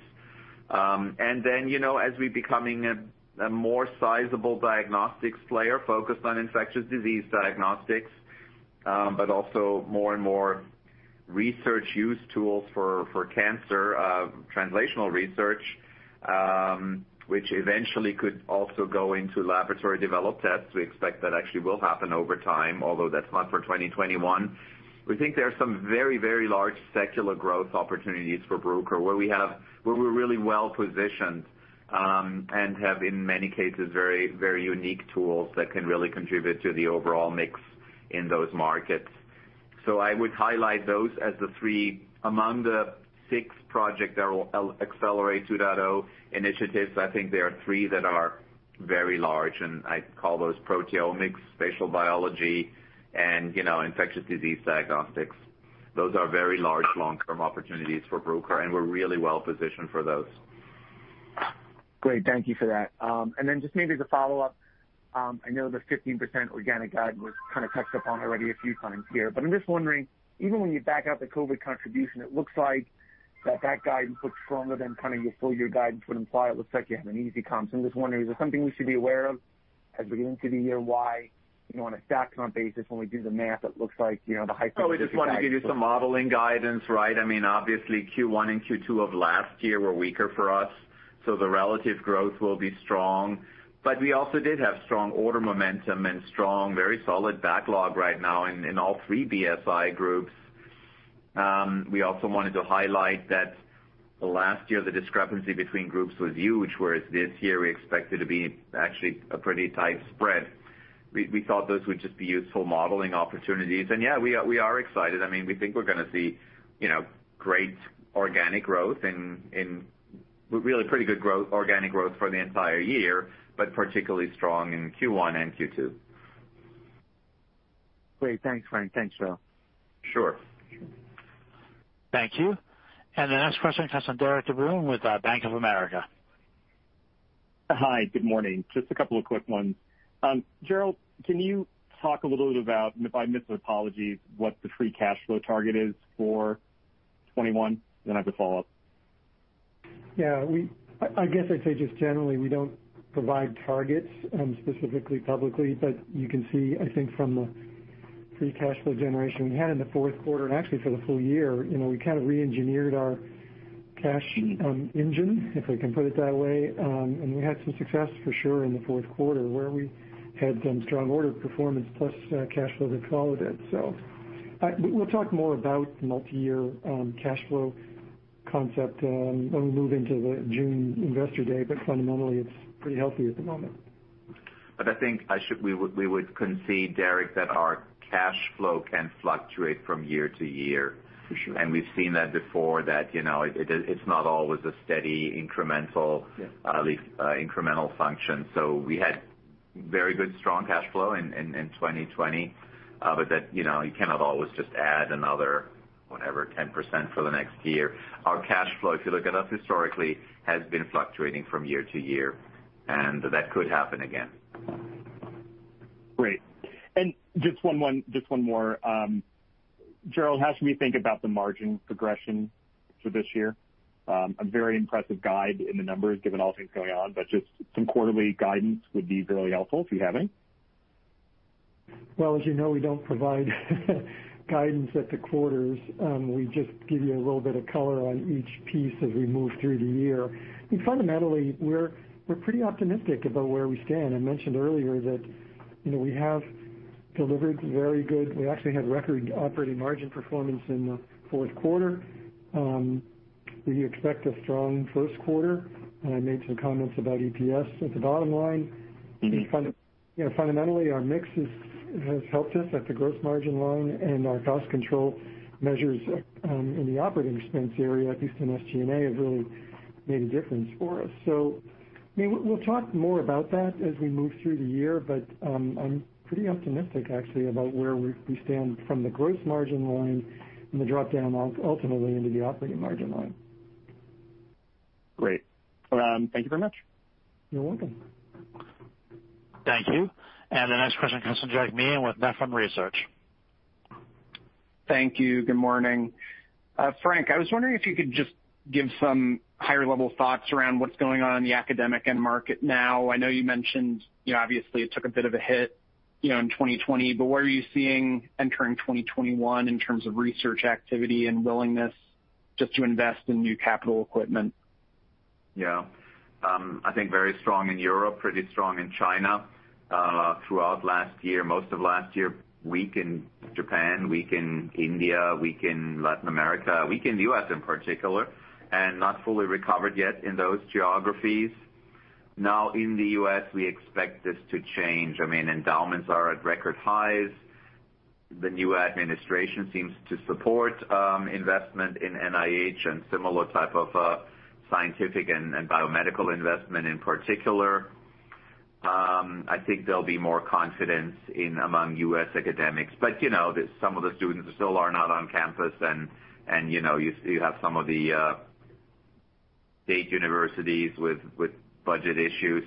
And then as we're becoming a more sizable diagnostics player focused on infectious disease diagnostics, but also more and more research use tools for cancer translational research, which eventually could also go into laboratory-developed tests, we expect that actually will happen over time, although that's not for 2021. We think there are some very, very large secular growth opportunities for Bruker where we're really well positioned and have, in many cases, very unique tools that can really contribute to the overall mix in those markets. So I would highlight those as the three among the six Project Accelerate 2.0 initiatives. I think there are three that are very large, and I call those proteomics, spatial biology, and infectious disease diagnostics. Those are very large long-term opportunities for Bruker, and we're really well positioned for those. Great. Thank you for that. And then just maybe as a follow-up, I know the 15% organic guide was kind of touched upon already a few times here. But I'm just wondering, even when you back out the COVID contribution, it looks like that guide looks stronger than kind of your full year guidance would imply. It looks like you have an easy comp. So I'm just wondering, is there something we should be aware of as we get into the year? Why on a stack comp basis, when we do the math, it looks like the high-speed growth? Oh, we just want to give you some modeling guidance, right? I mean, obviously, Q1 and Q2 of last year were weaker for us. So the relative growth will be strong. But we also did have strong order momentum and strong, very solid backlog right now in all three BSI groups. We also wanted to highlight that last year, the discrepancy between groups was huge, whereas this year, we expect it to be actually a pretty tight spread. We thought those would just be useful modeling opportunities. And yeah, we are excited. I mean, we think we're going to see great organic growth and really pretty good organic growth for the entire year, but particularly strong in Q1 and Q2. Great. Thanks, Frank. Thanks, Gerald. Sure. Thank you. And the next question comes from Derik De Bruin with Bank of America. Hi. Good morning. Just a couple of quick ones. Gerald, can you talk a little bit about, and if I miss it, apologies, what the free cash flow target is for 2021? Then I have a follow-up. Yeah. I guess I'd say just generally, we don't provide targets specifically publicly, but you can see, I think, from the free cash flow generation we had in the fourth quarter and actually for the full year, we kind of re-engineered our cash engine, if we can put it that way. And we had some success for sure in the fourth quarter where we had some strong order performance plus cash flow that followed it. So we'll talk more about the multi-year cash flow concept when we move into the June investor day, but fundamentally, it's pretty healthy at the moment. But I think we would concede, Derek, that our cash flow can fluctuate from year to year. And we've seen that before, that it's not always a steady incremental function. So we had very good, strong cash flow in 2020, but you cannot always just add another, whatever, 10% for the next year. Our cash flow, if you look at us historically, has been fluctuating from year to year, and that could happen again. Great, and just one more. Gerald, how should we think about the margin progression for this year? A very impressive guide in the numbers given all things going on, but just some quarterly guidance would be really helpful if you have any. Well, as you know, we don't provide guidance at the quarters. We just give you a little bit of color on each piece as we move through the year. Fundamentally, we're pretty optimistic about where we stand. I mentioned earlier that we have delivered very good. We actually had record operating margin performance in the fourth quarter. We expect a strong first quarter. I made some comments about EPS at the bottom line. Fundamentally, our mix has helped us at the gross margin line, and our cost control measures in the operating expense area, at least in SG&A, have really made a difference for us. So we'll talk more about that as we move through the year, but I'm pretty optimistic, actually, about where we stand from the gross margin line and the dropdown ultimately into the operating margin line. Great. Thank you very much. You're welcome. Thank you. And the next question comes from Jack Meehan with Nephron Research. Thank you. Good morning. Frank, I was wondering if you could just give some higher-level thoughts around what's going on in the academic end market now. I know you mentioned, obviously, it took a bit of a hit in 2020, but where are you seeing entering 2021 in terms of research activity and willingness just to invest in new capital equipment? Yeah. I think very strong in Europe, pretty strong in China throughout last year, most of last year, weak in Japan, weak in India, weak in Latin America, weak in the U.S. in particular, and not fully recovered yet in those geographies. Now, in the U.S., we expect this to change. I mean, endowments are at record highs. The new administration seems to support investment in NIH and similar type of scientific and biomedical investment in particular. I think there'll be more confidence among U.S. academics, but some of the students still are not on campus, and you have some of the state universities with budget issues.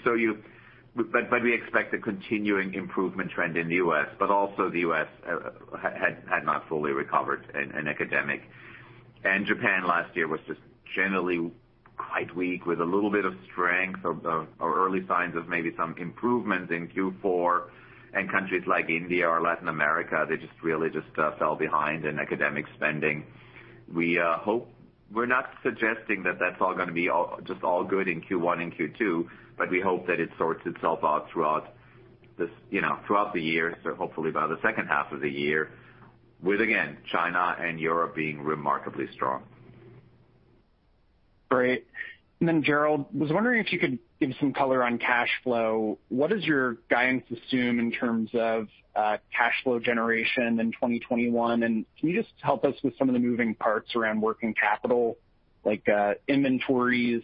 But we expect a continuing improvement trend in the U.S., but also the U.S. had not fully recovered in academic. And Japan last year was just generally quite weak with a little bit of strength or early signs of maybe some improvement in Q4. And countries like India or Latin America, they just really just fell behind in academic spending. We hope we're not suggesting that that's all going to be just all good in Q1 and Q2, but we hope that it sorts itself out throughout the year or hopefully by the second half of the year with, again, China and Europe being remarkably strong. Great. And then, Gerald, I was wondering if you could give some color on cash flow. What does your guidance assume in terms of cash flow generation in 2021? Can you just help us with some of the moving parts around working capital, like inventories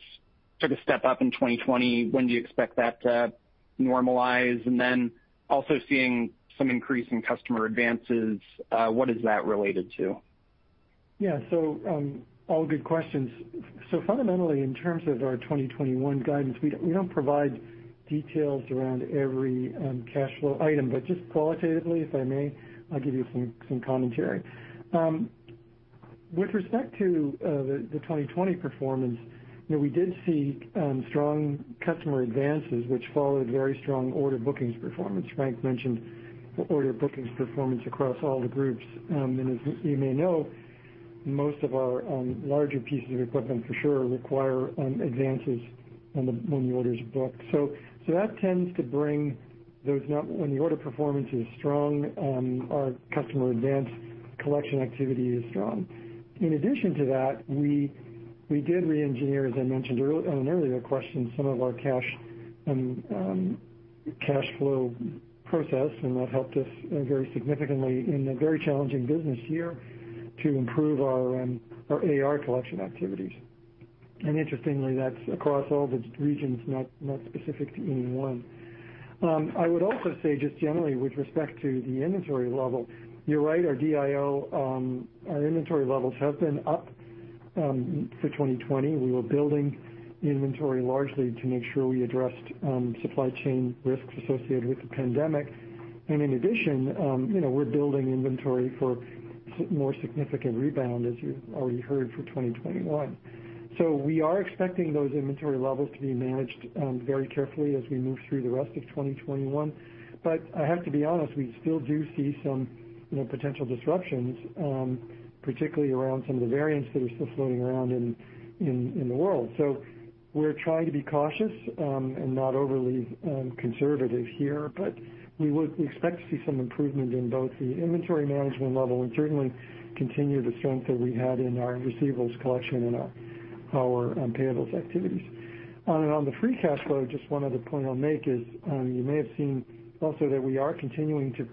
took a step up in 2020? When do you expect that to normalize? And then also seeing some increase in customer advances, what is that related to? Yeah. All good questions. Fundamentally, in terms of our 2021 guidance, we don't provide details around every cash flow item, but just qualitatively, if I may, I'll give you some commentary. With respect to the 2020 performance, we did see strong customer advances, which followed very strong order bookings performance. Frank mentioned order bookings performance across all the groups. And as you may know, most of our larger pieces of equipment for sure require advances when the orders are booked. That tends to bring those when the order performance is strong, our customer advance collection activity is strong. In addition to that, we did re-engineer, as I mentioned earlier in question, some of our cash flow process, and that helped us very significantly in a very challenging business year to improve our AR collection activities. And interestingly, that's across all the regions, not specific to any one. I would also say just generally with respect to the inventory level, you're right, our DIO, our inventory levels have been up for 2020. We were building inventory largely to make sure we addressed supply chain risks associated with the pandemic. And in addition, we're building inventory for more significant rebound, as you've already heard, for 2021. So we are expecting those inventory levels to be managed very carefully as we move through the rest of 2021. But I have to be honest, we still do see some potential disruptions, particularly around some of the variants that are still floating around in the world. So we're trying to be cautious and not overly conservative here, but we would expect to see some improvement in both the inventory management level and certainly continue the strength that we had in our receivables collection and our payables activities. On the free cash flow, just one other point I'll make is you may have seen also that we are continuing to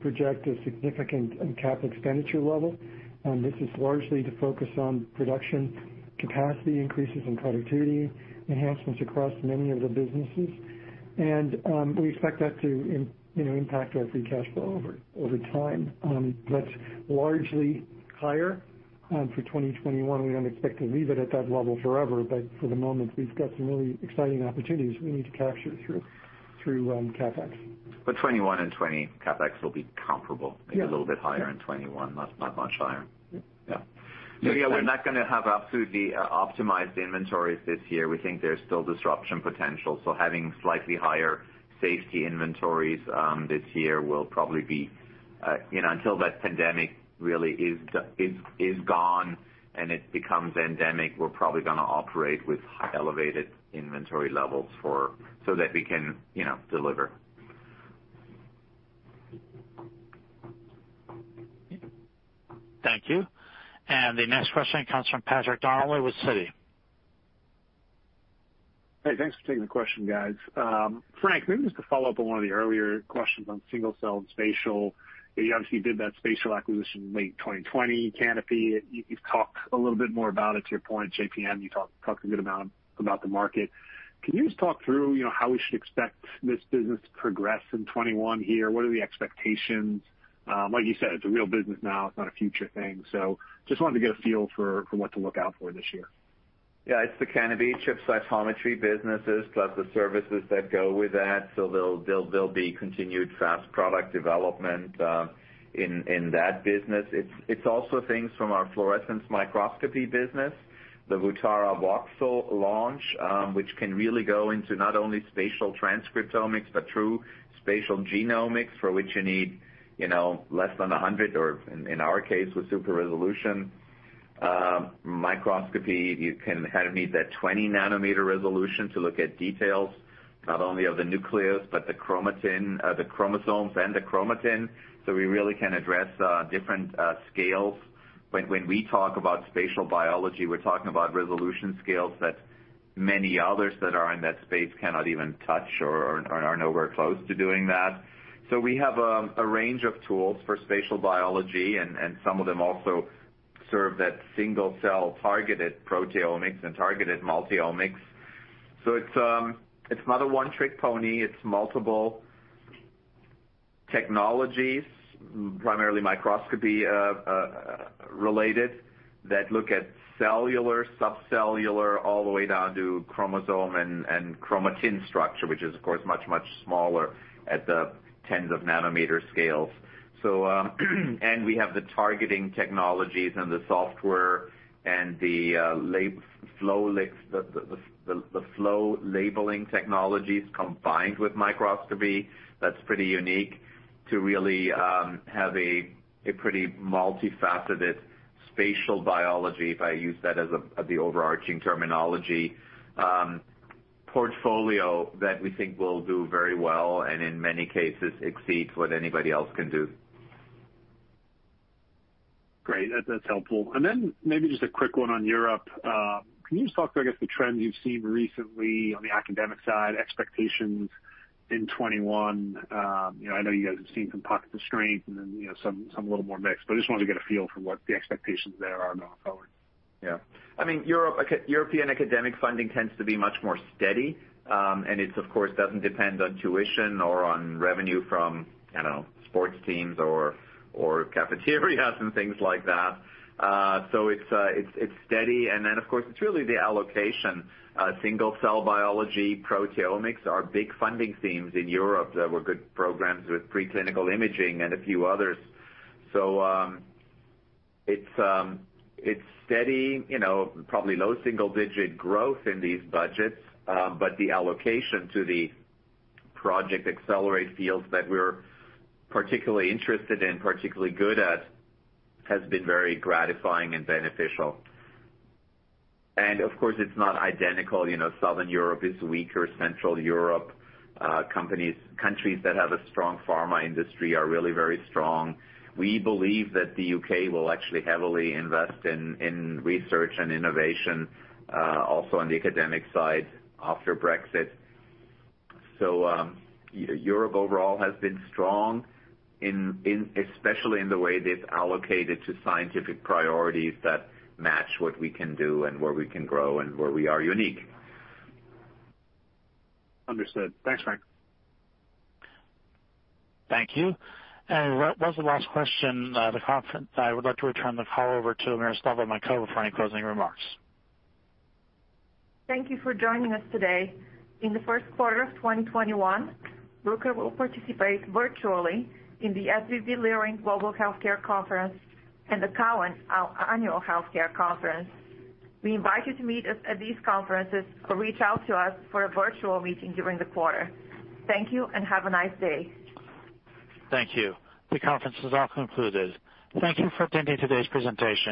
project a significant CapEx level. This is largely to focus on production capacity increases and productivity enhancements across many of the businesses. And we expect that to impact our free cash flow over time. That's largely higher for 2021. We don't expect to leave it at that level forever, but for the moment, we've got some really exciting opportunities we need to capture through CapEx. But 2021 and 2020, CapEx will be comparable, maybe a little bit higher in 2021, not much higher. Yeah. So yeah, we're not going to have absolutely optimized inventories this year. We think there's still disruption potential. So having slightly higher safety inventories this year will probably be until that pandemic really is gone and it becomes endemic, we're probably going to operate with elevated inventory levels so that we can deliver. Thank you. And the next question comes from Patrick Donnelly with Citi. Hey, thanks for taking the question, guys. Frank, maybe just to follow up on one of the earlier questions on single-cell and spatial. You obviously did that spatial acquisition in late 2020, Canopy. You've talked a little bit more about it, to your point, JPM. You talked a good amount about the market. Can you just talk through how we should expect this business to progress in 2021 here? What are the expectations? Like you said, it's a real business now. It's not a future thing. So just wanted to get a feel for what to look out for this year. Yeah. It's the Canopy ChipCytometry business plus the services that go with that. So there'll be continued fast product development in that business. It's also things from our fluorescence microscopy business, the Vutara VXL launch, which can really go into not only spatial transcriptomics but true spatial genomics for which you need less than 100, or in our case, with super-resolution microscopy, you can have need that 20-nanometer resolution to look at details not only of the nucleus but the chromosomes and the chromatin. So we really can address different scales. When we talk about spatial biology, we're talking about resolution scales that many others that are in that space cannot even touch or are nowhere close to doing that. So we have a range of tools for spatial biology, and some of them also serve that single-cell targeted proteomics and targeted multiomics. So it's not a one-trick pony. It's multiple technologies, primarily microscopy related, that look at cellular, subcellular, all the way down to chromosome and chromatin structure, which is, of course, much, much smaller at the tens of nanometer scales. And we have the targeting technologies and the software and the flow labeling technologies combined with microscopy. That's pretty unique to really have a pretty multifaceted spatial biology, if I use that as the overarching terminology portfolio that we think will do very well and in many cases exceed what anybody else can do. Great. That's helpful. And then maybe just a quick one on Europe. Can you just talk to, I guess, the trends you've seen recently on the academic side, expectations in 2021? I know you guys have seen some pockets of strength and then some a little more mixed, but I just wanted to get a feel for what the expectations there are going forward. Yeah. I mean, European academic funding tends to be much more steady, and it, of course, doesn't depend on tuition or on revenue from, I don't know, sports teams or cafeterias and things like that. So it's steady. And then, of course, it's really the allocation. Single-cell biology, proteomics are big funding themes in Europe. There were good programs with preclinical imaging and a few others. So it's steady, probably low single-digit growth in these budgets, but the allocation to the Project Accelerate fields that we're particularly interested in, particularly good at, has been very gratifying and beneficial. And of course, it's not identical. Southern Europe is weaker. Central Europe countries that have a strong pharma industry are really very strong. We believe that the U.K. will actually heavily invest in research and innovation, also on the academic side after Brexit. So Europe overall has been strong, especially in the way they've allocated to scientific priorities that match what we can do and where we can grow and where we are unique. Understood. Thanks, Frank. Thank you. And that was the last question. I would like to return the call over to Miroslava Minkova for any closing remarks. Thank you for joining us today. In the first quarter of 2021, Bruker will participate virtually in the SVB Leerink Global Healthcare Conference and the Cowen Annual Healthcare Conference. We invite you to meet us at these conferences or reach out to us for a virtual meeting during the quarter. Thank you and have a nice day. Thank you. The conference is now concluded. Thank you for attending today's presentation.